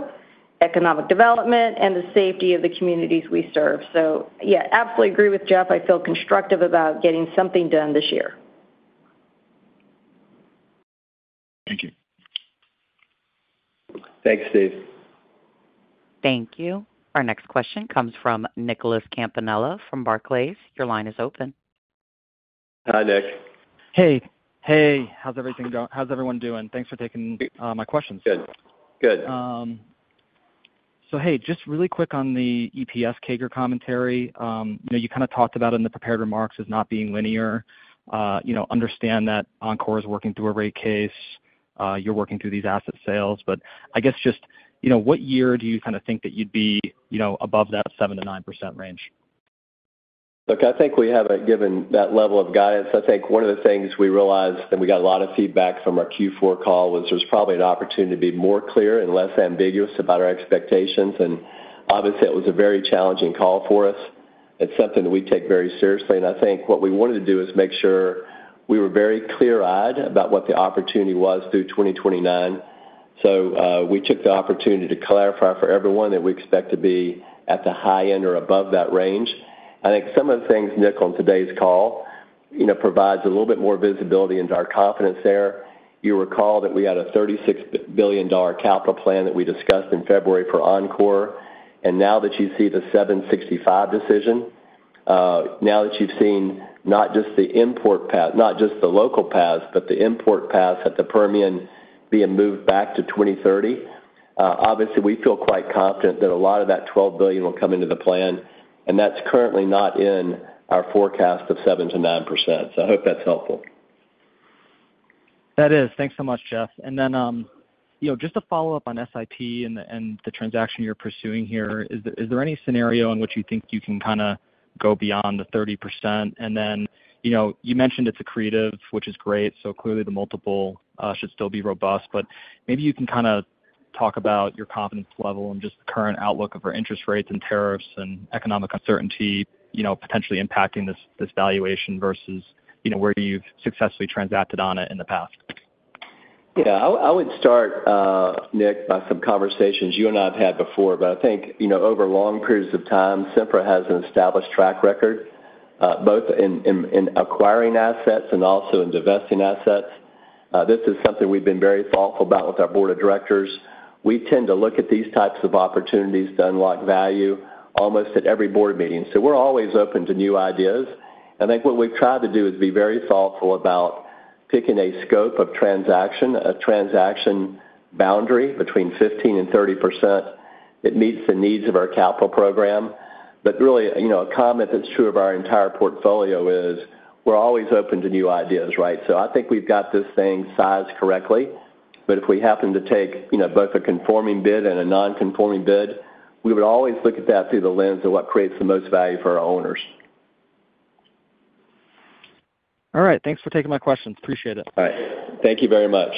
Speaker 7: economic development, and the safety of the communities we serve. So yeah, absolutely agree with Jeff. I feel constructive about getting something done this year.
Speaker 10: Thank you.
Speaker 3: Thanks, Steve.
Speaker 1: Thank you. Our next question comes from Nicholas Campanella from Barclays. Your line is open.
Speaker 3: Hi, Nick.
Speaker 11: Hey. Hey. How's everything going? How's everyone doing? Thanks for taking my questions.
Speaker 3: Good. Good.
Speaker 11: So hey, just really quick on the EPS CAGR commentary. You kind of talked about it in the prepared remarks as not being linear. Understand that Oncor is working through a rate case. You're working through these asset sales. But I guess just what year do you kind of think that you'd be above that 7%-9% range?
Speaker 3: Look, I think we have a given that level of guidance. I think one of the things we realized that we got a lot of feedback from our Q4 call was there's probably an opportunity to be more clear and less ambiguous about our expectations. And obviously, it was a very challenging call for us. It's something that we take very seriously, and I think what we wanted to do is make sure we were very clear-eyed about what the opportunity was through 2029, so we took the opportunity to clarify for everyone that we expect to be at the high end or above that range. I think some of the things Nick on today's call provides a little bit more visibility into our confidence there. You recall that we had a $36 billion capital plan that we discussed in February for Oncor, and now that you see the 765 decision, now that you've seen not just the import path, not just the local paths, but the import paths at the Permian being moved back to 2030, obviously, we feel quite confident that a lot of that $12 billion will come into the plan. And that's currently not in our forecast of 7%-9%. So I hope that's helpful.
Speaker 11: That is. Thanks so much, Jeff. And then just to follow up on SIP and the transaction you're pursuing here, is there any scenario in which you think you can kind of go beyond the 30%? And then you mentioned it's a creative, which is great. So clearly, the multiple should still be robust. But maybe you can kind of talk about your confidence level and just the current outlook of our interest rates and tariffs and economic uncertainty potentially impacting this valuation versus where you've successfully transacted on it in the past.
Speaker 3: Yeah. I would start, Nick, by some conversations you and I have had before. But I think over long periods of time, Sempra has an established track record both in acquiring assets and also in divesting assets. This is something we've been very thoughtful about with our board of directors. We tend to look at these types of opportunities to unlock value almost at every board meeting. So we're always open to new ideas. I think what we've tried to do is be very thoughtful about picking a scope of transaction, a transaction boundary between 15% and 30% that meets the needs of our capital program. But really, a comment that's true of our entire portfolio is we're always open to new ideas, right? So I think we've got this thing sized correctly. But if we happen to take both a conforming bid and a non-conforming bid, we would always look at that through the lens of what creates the most value for our owners.
Speaker 11: All right. Thanks for taking my questions. Appreciate it.
Speaker 3: All Thank you very much.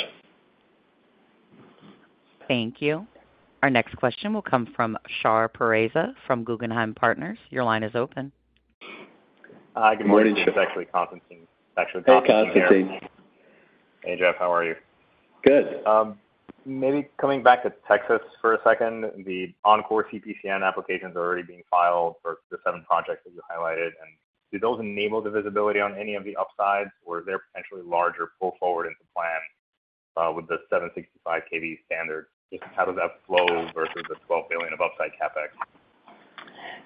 Speaker 1: Thank you. Our next question will come from Shar Pourreza from Guggenheim Partners. Your line is open.
Speaker 3: Hi, good morning.
Speaker 12: Jeff, actually Constantine. Hey, Jeff. How are you?
Speaker 3: Good.
Speaker 13: Maybe coming back to Texas for a second, the Oncor CCN applications are already being filed for the seven projects that you highlighted. And do those enable the visibility on any of the upsides, or is there potentially larger pull forward into plan with the 765 kV standard? Just how does that flow versus the $12 billion of upside CapEx?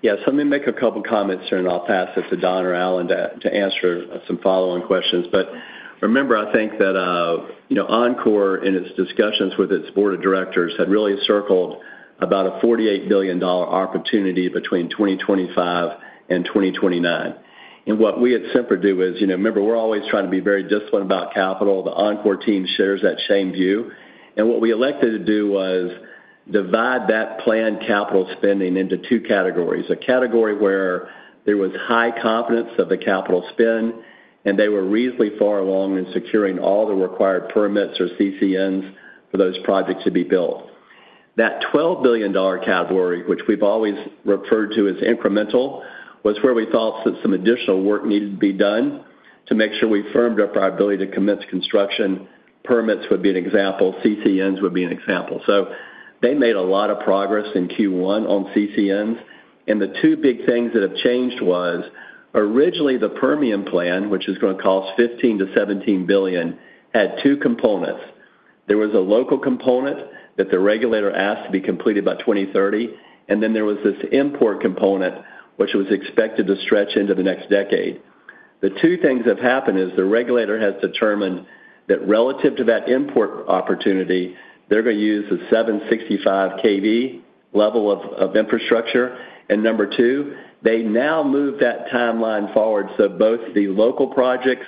Speaker 3: Yeah. So let me make a couple of comments here and I'll pass it to Don or Allen to answer some follow-on questions. But remember, I think that Oncor in its discussions with its board of directors had really circled about a $48 billion opportunity between 2025 and 2029. What we at Sempra do is remember, we're always trying to be very disciplined about capital. The Oncor team shares that same view. And what we elected to do was divide that planned capital spending into two categories: a category where there was high confidence of the capital spend, and they were reasonably far along in securing all the required permits or CCNs for those projects to be built. That $12 billion category, which we've always referred to as incremental, was where we thought that some additional work needed to be done to make sure we firmed up our ability to commence construction. Permits would be an example. CCNs would be an example. So they made a lot of progress in Q1 on CCNs. And the two big things that have changed was originally the Permian Plan, which is going to cost $15 billion-$17 billion, had two components. There was a local component that the regulator asked to be completed by 2030, and then there was this import component, which was expected to stretch into the next decade. The two things that have happened is the regulator has determined that relative to that import opportunity, they're going to use the 765 kV level of infrastructure. And number two, they now moved that timeline forward so both the local projects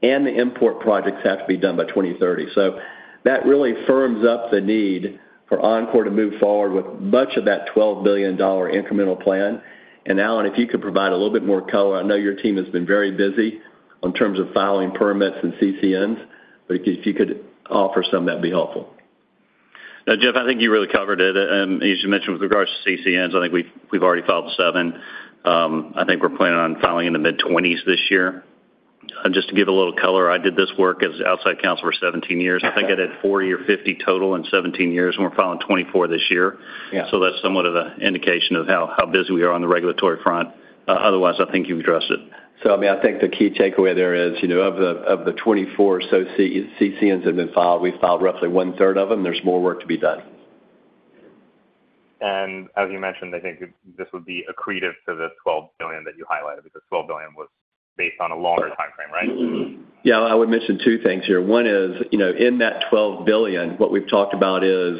Speaker 3: and the import projects have to be done by 2030. So that really firms up the need for Oncor to move forward with much of that $12 billion incremental plan. And Allen, if you could provide a little bit more color. I know your team has been very busy in terms of filing permits and CCNs, but if you could offer some, that'd be helpful.
Speaker 6: Now, Jeff, I think you really covered it. As you mentioned, with regards to CCNs, I think we've already filed seven. I think we're planning on filing in the mid-20s this year. Just to give a little color, I did this work as outside counsel for 17 years. I think I did 40 or 50 total in 17 years, and we're filing 24 this year. So that's somewhat of an indication of how busy we are on the regulatory front. Otherwise, I think you've addressed it. So I mean, I think the key takeaway there is of the 24 CCNs that have been filed, we've filed roughly one-third of them. There's more work to be done.
Speaker 12: And as you mentioned, I think this would be additive to the $12 billion that you highlighted because $12 billion was based on a longer timeframe, right?
Speaker 6: Yeah. I would mention two things here. One is in that $12 billion. What we've talked about is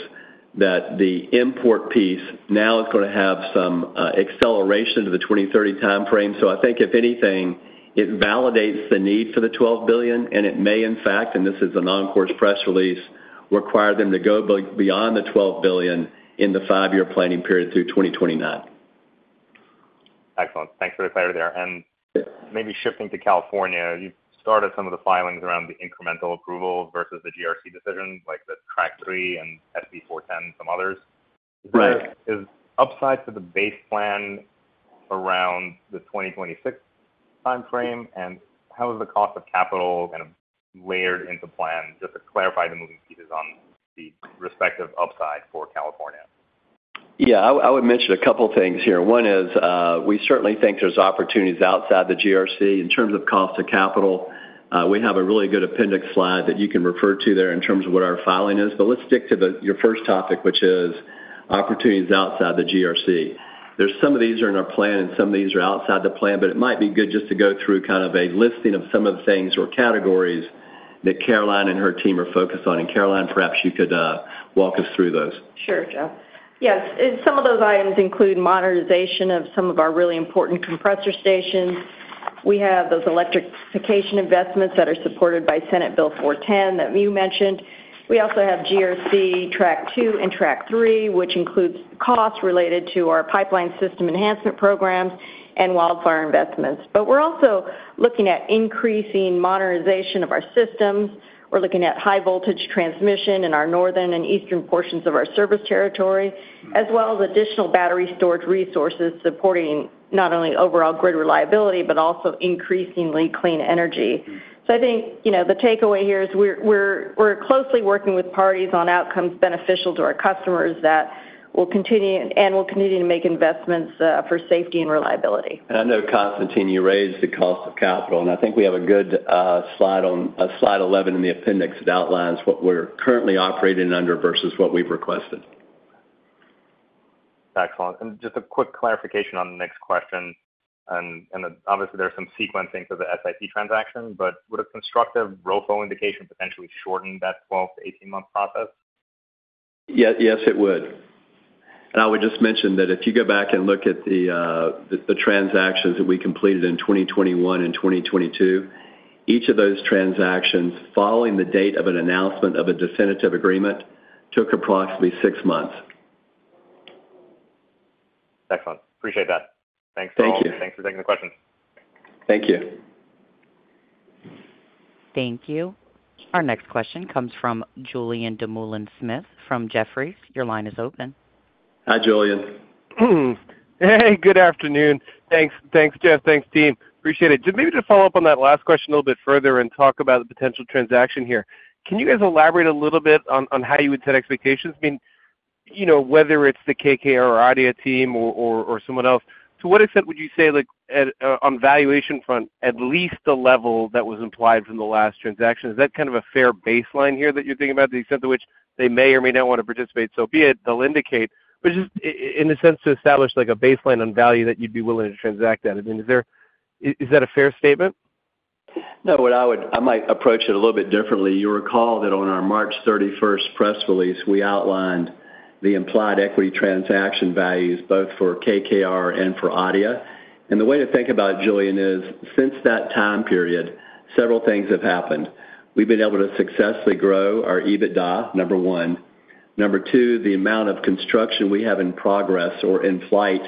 Speaker 6: that the import piece now is going to have some acceleration to the 2030 timeframe. So I think if anything, it validates the need for the $12 billion, and it may, in fact, and this is an Oncor's press release, require them to go beyond the $12 billion in the five-year planning period through 2029.
Speaker 13: Excellent. Thanks for the clarity there. And maybe shifting to California, you've started some of the filings around the incremental approval versus the GRC decision, like the Track 3 and SB 410, some others. Is upside to the base plan around the 2026 timeframe, and how is the cost of capital kind of layered into plan? Just to clarify the moving pieces on the respective upside for California.
Speaker 3: Yeah. I would mention a couple of things here. One is we certainly think there's opportunities outside the GRC in terms of cost of capital. We have a really good appendix slide that you can refer to there in terms of what our filing is. But let's stick to your first topic, which is opportunities outside the GRC. Some of these are in our plan, and some of these are outside the plan. But it might be good just to go through kind of a listing of some of the things or categories that Caroline and her team are focused on. And Caroline, perhaps you could walk us through those.
Speaker 7: Sure, Jeff. Yes. Some of those items include modernization of some of our really important compressor stations. We have those electrification investments that are supported by Senate Bill 410 that you mentioned. We also have GRC Track 2 and Track 3, which includes costs related to our pipeline system enhancement programs and wildfire investments. But we're also looking at increasing modernization of our systems. We're looking at high-voltage transmission in our northern and eastern portions of our service territory, as well as additional battery storage resources supporting not only overall grid reliability but also increasingly clean energy. So I think the takeaway here is we're closely working with parties on outcomes beneficial to our customers that will continue and will continue to make investments for safety and reliability.
Speaker 6: And I know, Constantine, you raised the cost of capital. And I think we have a good slide on Slide 11 in the appendix that outlines what we're currently operating under versus what we've requested.
Speaker 13: Excellent. And just a quick clarification on the next question. And obviously, there's some sequencing to the SIP transaction. But would a constructive ROFO indication potentially shorten that 12- 18-month process?
Speaker 3: Yes, it would. And I would just mention that if you go back and look at the transactions that we completed in 2021 and 2022, each of those transactions following the date of an announcement of a definitive agreement took approximately six months.
Speaker 13: Excellent. Appreciate that. Thanks for all.
Speaker 3: Thank you.
Speaker 12: Thanks for taking the questions.
Speaker 3: Thank you.
Speaker 1: Thank you. Our next question comes from Julien Dumoulin-Smith from Jefferies. Your line is open.
Speaker 3: Hi, Julien.
Speaker 14: Hey, good afternoon. Thanks, Jeff. Thanks, team. Appreciate it. Just maybe to follow up on that last question a little bit further and talk about the potential transaction here. Can you guys elaborate a little bit on how you would set expectations? I mean, whether it's the KKR or ADIA team or someone else, to what extent would you say on valuation front, at least the level that was implied from the last transaction? Is that kind of a fair baseline here that you're thinking about, the extent to which they may or may not want to participate, so be it, they'll indicate? But just in a sense to establish a baseline on value that you'd be willing to transact at. I mean, is that a fair statement?
Speaker 3: No, I might approach it a little bit differently. You recall that on our March 31st press release, we outlined the implied equity transaction values both for KKR and for ADIA. And the way to think about it, Julien, is since that time period, several things have happened. We've been able to successfully grow our EBITDA, number one. Number two, the amount of construction we have in progress or in flight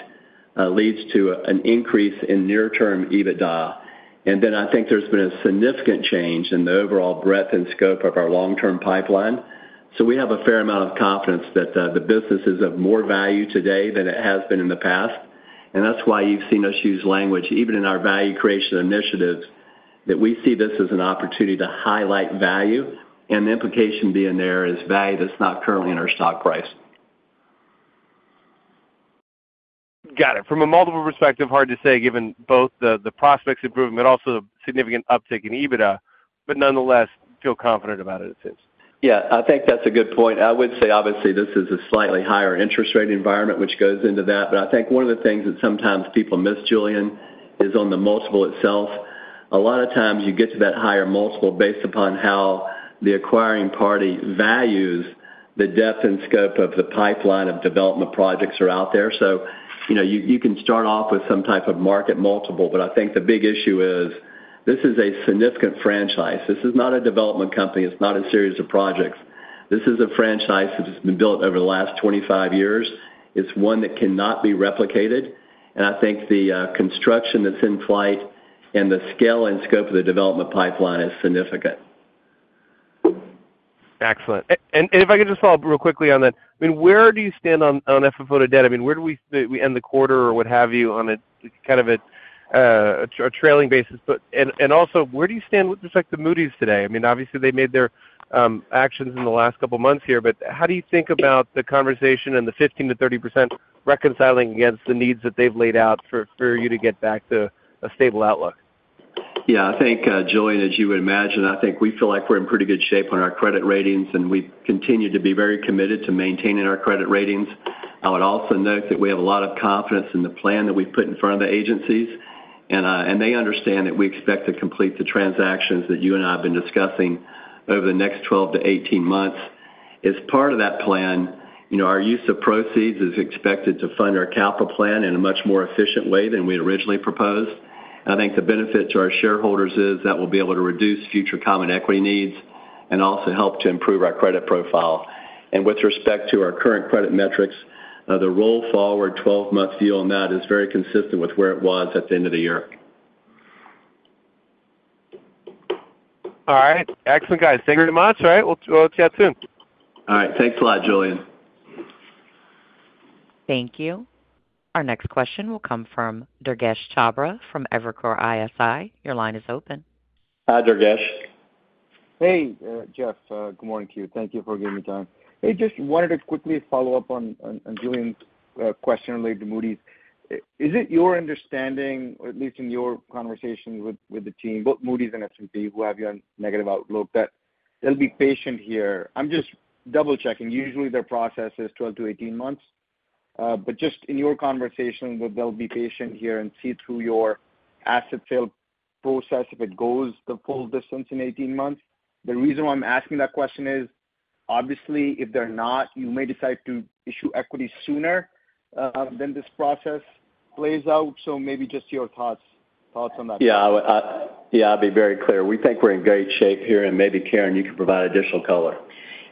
Speaker 3: leads to an increase in near-term EBITDA. And then I think there's been a significant change in the overall breadth and scope of our long-term pipeline. So we have a fair amount of confidence that the business is of more value today than it has been in the past. And that's why you've seen us use language even in our value creation initiatives that we see this as an opportunity to highlight value. And the implication being there is value that's not currently in our stock price.
Speaker 14: Got it. From a multiple perspective, hard to say given both the prospects improvement, but also the significant uptick in EBITDA. But nonetheless, feel confident about it, it seems.
Speaker 3: Yeah. I think that's a good point. I would say, obviously, this is a slightly higher interest rate environment, which goes into that. But I think one of the things that sometimes people miss, Julien, is on the multiple itself. A lot of times, you get to that higher multiple based upon how the acquiring party values the depth and scope of the pipeline of development projects that are out there. So you can start off with some type of market multiple. But I think the big issue is this is a significant franchise. This is not a development company. It's not a series of projects. This is a franchise that has been built over the last 25 years. It's one that cannot be replicated. And I think the construction that's in flight and the scale and scope of the development pipeline is significant.
Speaker 14: Excellent. And if I could just follow up real quickly on that, I mean, where do you stand on FFO to debt? I mean, where do we end the quarter or what have you on kind of a trailing basis? And also, where do you stand with respect to Moody's today? I mean, obviously, they made their actions in the last couple of months here. But how do you think about the conversation and the 15%-30% reconciling against the needs that they've laid out for you to get back to a stable outlook?
Speaker 3: Yeah. I think, Julien, as you would imagine, I think we feel like we're in pretty good shape on our credit ratings, and we've continued to be very committed to maintaining our credit ratings. I would also note that we have a lot of confidence in the plan that we've put in front of the agencies. And they understand that we expect to complete the transactions that you and I have been discussing over the next 12-18 months. As part of that plan, our use of proceeds is expected to fund our capital plan in a much more efficient way than we originally proposed. I think the benefit to our shareholders is that we'll be able to reduce future common equity needs and also help to improve our credit profile. And with respect to our current credit metrics, the roll forward 12-month view on that is very consistent with where it was at the end of the year.
Speaker 14: All right. Excellent, guys. Thank you very much. All right. We'll chat soon.
Speaker 3: All right. Thanks a lot, Julien.
Speaker 1: Thank you. Our next question will come from Durgesh Chopra from Evercore ISI. Your line is open.
Speaker 3: Hi, Durgesh.
Speaker 15: Hey, Jeff. Good morning to you. Thank you for giving me time. Hey, just wanted to quickly follow up on Julien's question related to Moody's. Is it your understanding, at least in your conversation with the team, both Moody's and S&P, who have you on negative outlook, that they'll be patient here? I'm just double-checking. Usually, their process is 12-18 months. But just in your conversation, they'll be patient here and see through your asset sale process if it goes the full distance in 18 months. The reason why I'm asking that question is, obviously, if they're not, you may decide to issue equity sooner than this process plays out. So maybe just your thoughts on that.
Speaker 3: Yeah. Yeah. I'll be very clear. We think we're in great shape here. And maybe, Karen, you can provide additional color.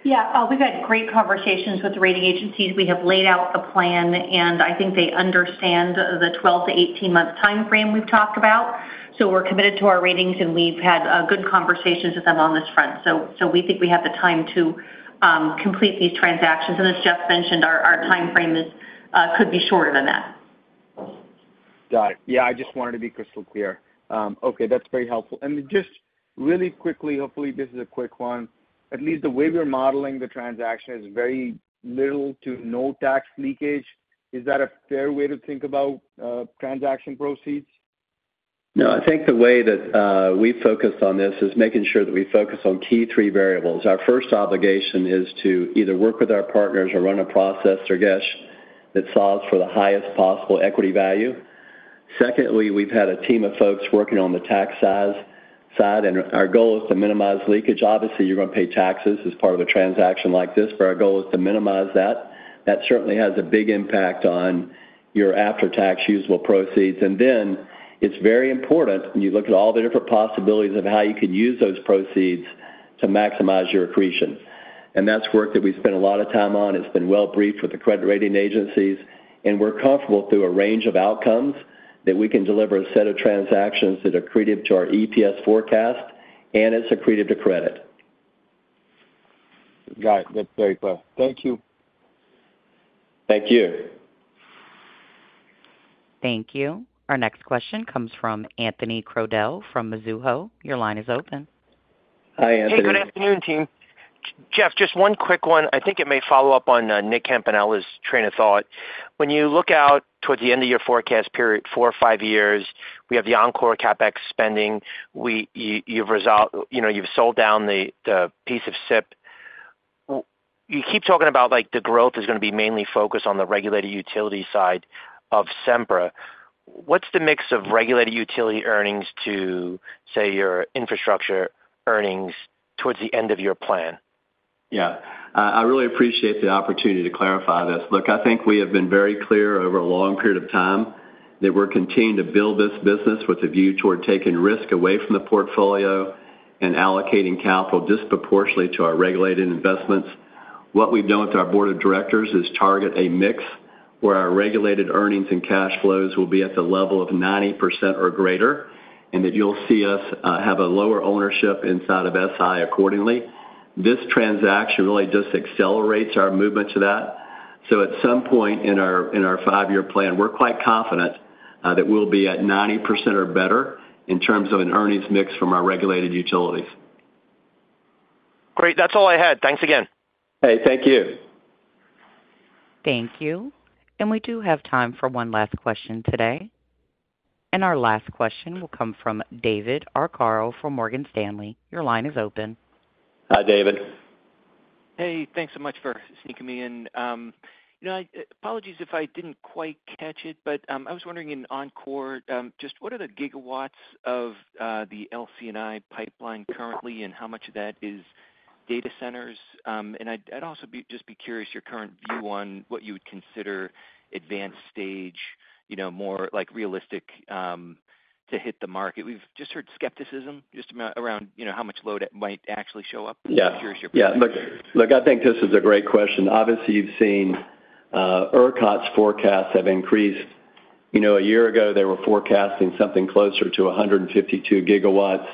Speaker 3: Y
Speaker 4: eah. We've had great conversations with the rating agencies. We have laid out the plan, and I think they understand the 12-18-month timeframe we've talked about. So we're committed to our ratings, and we've had good conversations with them on this front. So we think we have the time to complete these transactions. And as Jeff mentioned, our timeframe could be shorter than that.
Speaker 15: Got it. Yeah. I just wanted to be crystal clear. Okay. That's very helpful. And just really quickly, hopefully, this is a quick one. At least the way we're modeling the transaction is very little to no tax leakage. Is that a fair way to think about transaction proceeds?
Speaker 3: No. I think the way that we focus on this is making sure that we focus on key three variables. Our first obligation is to either work with our partners or run a process, Durgesh, that solves for the highest possible equity value. Secondly, we've had a team of folks working on the tax side, and our goal is to minimize leakage. Obviously, you're going to pay taxes as part of a transaction like this, but our goal is to minimize that. That certainly has a big impact on your after-tax usable proceeds, and then it's very important you look at all the different possibilities of how you can use those proceeds to maximize your accretion, and that's work that we spend a lot of time on. It's been well briefed with the credit rating agencies, and we're comfortable through a range of outcomes that we can deliver a set of transactions that are accretive to our EPS forecast and credit.
Speaker 15: Got it. That's very clear. Thank you.
Speaker 3: Thank you.
Speaker 1: Thank you. Our next question comes from Anthony Crowdell from Mizuho. Your line is open.
Speaker 3: Hi, Anthony.
Speaker 16: Hey, good afternoon, team. Jeff, just one quick one. I think it may follow up on Nick Campanella's train of thought. When you look out towards the end of your forecast period, four or five years, we have the Oncor CapEx spending. You've sold down the piece of SIP. You keep talking about the growth is going to be mainly focused on the regulated utility side of Sempra. What's the mix of regulated utility earnings to, say, your infrastructure earnings towards the end of your plan?
Speaker 3: Yeah. I really appreciate the opportunity to clarify this. Look, I think we have been very clear over a long period of time that we're continuing to build this business with a view toward taking risk away from the portfolio and allocating capital disproportionately to our regulated investments. What we've done with our board of directors is target a mix where our regulated earnings and cash flows will be at the level of 90% or greater, and that you'll see us have a lower ownership inside of SI accordingly. This transaction really just accelerates our movement to that. So at some point in our five-year plan, we're quite confident that we'll be at 90% or better in terms of an earnings mix from our regulated utilities.
Speaker 16: Great. That's all I had. Thanks again.
Speaker 3: Hey, thank you.
Speaker 1: Thank you. And we do have time for one last question today. And our last question will come from David Arcaro from Morgan Stanley. Your line is open.
Speaker 3: Hi, David.
Speaker 17: Hey, thanks so much for sneaking me in. Apologies if I didn't quite catch it, but I was wondering in Oncor, just what are the gigawatts of the LC&I pipeline currently, and how much of that is data centers? And I'd also just be curious your current view on what you would consider advanced stage, more realistic to hit the market. We've just heard skepticism just around how much load it might actually show up. I'm curious your perspective.
Speaker 3: Yeah. Look, I think this is a great question. Obviously, you've seen ERCOT's forecasts have increased. A year ago, they were forecasting something closer to 152 GW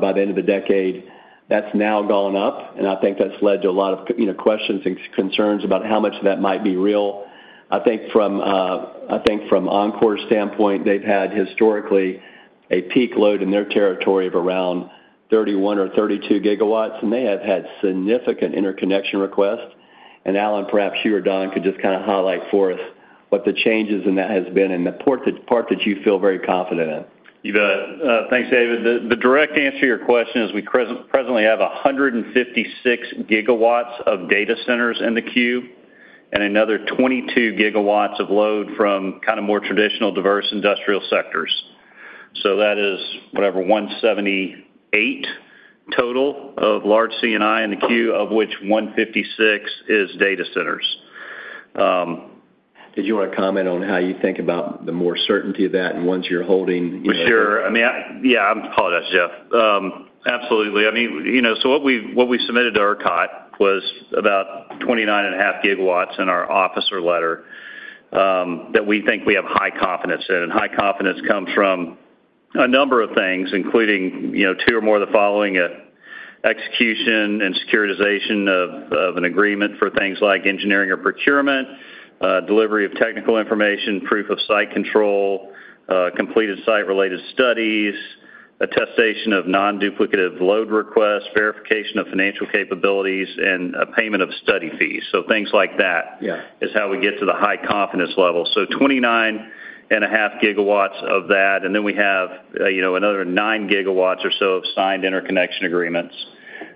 Speaker 3: by the end of the decade. That's now gone up. I think that's led to a lot of questions and concerns about how much of that might be real. I think from Oncor's standpoint, they've had historically a peak load in their territory of around 31 GW or 32 GW, and they have had significant interconnection requests. And Allen, perhaps you or Don could just kind of highlight for us what the changes in that have been and the part that you feel very confident in.
Speaker 6: You bet. Thanks, David. The direct answer to your question is we presently have 156 GW of data centers in the queue and another 22 GW of load from kind of more traditional diverse industrial sectors. So that is whatever, 178 total of large C&I in the queue, of which 156 is data centers.
Speaker 3: Did you want to comment on how you think about the more certainty of that and once you're holding?
Speaker 6: For sure. I mean, yeah. I apologize, Jeff. Absolutely. I mean, so what we submitted to ERCOT was about 29.5 GW in our offer letter that we think we have high confidence in. And high confidence comes from a number of things, including two or more of the following: execution and securitization of an agreement for things like engineering or procurement, delivery of technical information, proof of site control, completed site-related studies, attestation of non-duplicative load requests, verification of financial capabilities, and a payment of study fees. So things like that is how we get to the high confidence level. So 29.5 GW of that. And then we have another 9 GW or so of signed interconnection agreements.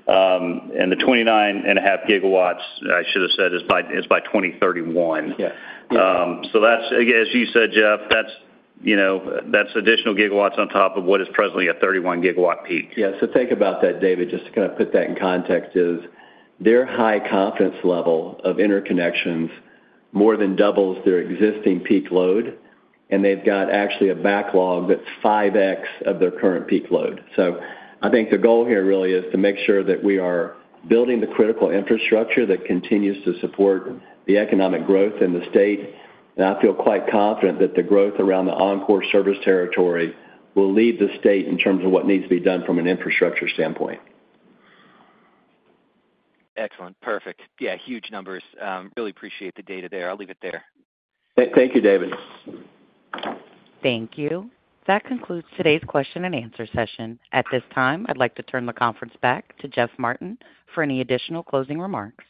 Speaker 6: And the 29.5 GW, I should have said, is by 2031. So as you said, Jeff, that's additional gigawatts on top of what is presently a 31-GW peak.
Speaker 3: Yeah. So think about that, David, just to kind of put that in context, is their high confidence level of interconnections more than doubles their existing peak load. And they've got actually a backlog that's 5x of their current peak load. So I think the goal here really is to make sure that we are building the critical infrastructure that continues to support the economic growth in the state. And I feel quite confident that the growth around the Oncor service territory will lead the state in terms of what needs to be done from an infrastructure standpoint.
Speaker 17: Excellent. Perfect. Yeah. Huge numbers. Really appreciate the data there. I'll leave it there.
Speaker 3: Thank you, David.
Speaker 1: Thank you. That concludes today's question and answer session. At this time, I'd like to turn the conference back to Jeff Martin for any additional closing remarks.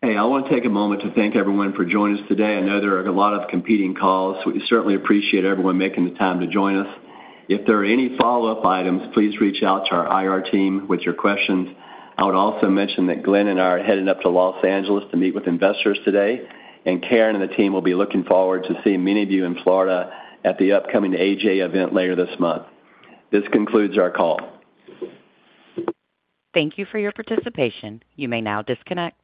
Speaker 3: Hey, I want to take a moment to thank everyone for joining us today. I know there are a lot of competing calls, so we certainly appreciate everyone making the time to join us. If there are any follow-up items, please reach out to our IR team with your questions. I would also mention that Glen and I are heading up to Los Angeles to meet with investors today, and Karen and the team will be looking forward to seeing many of you in Florida at the upcoming AGA event later this month. This concludes our call.
Speaker 1: Thank you for your participation. You may now disconnect.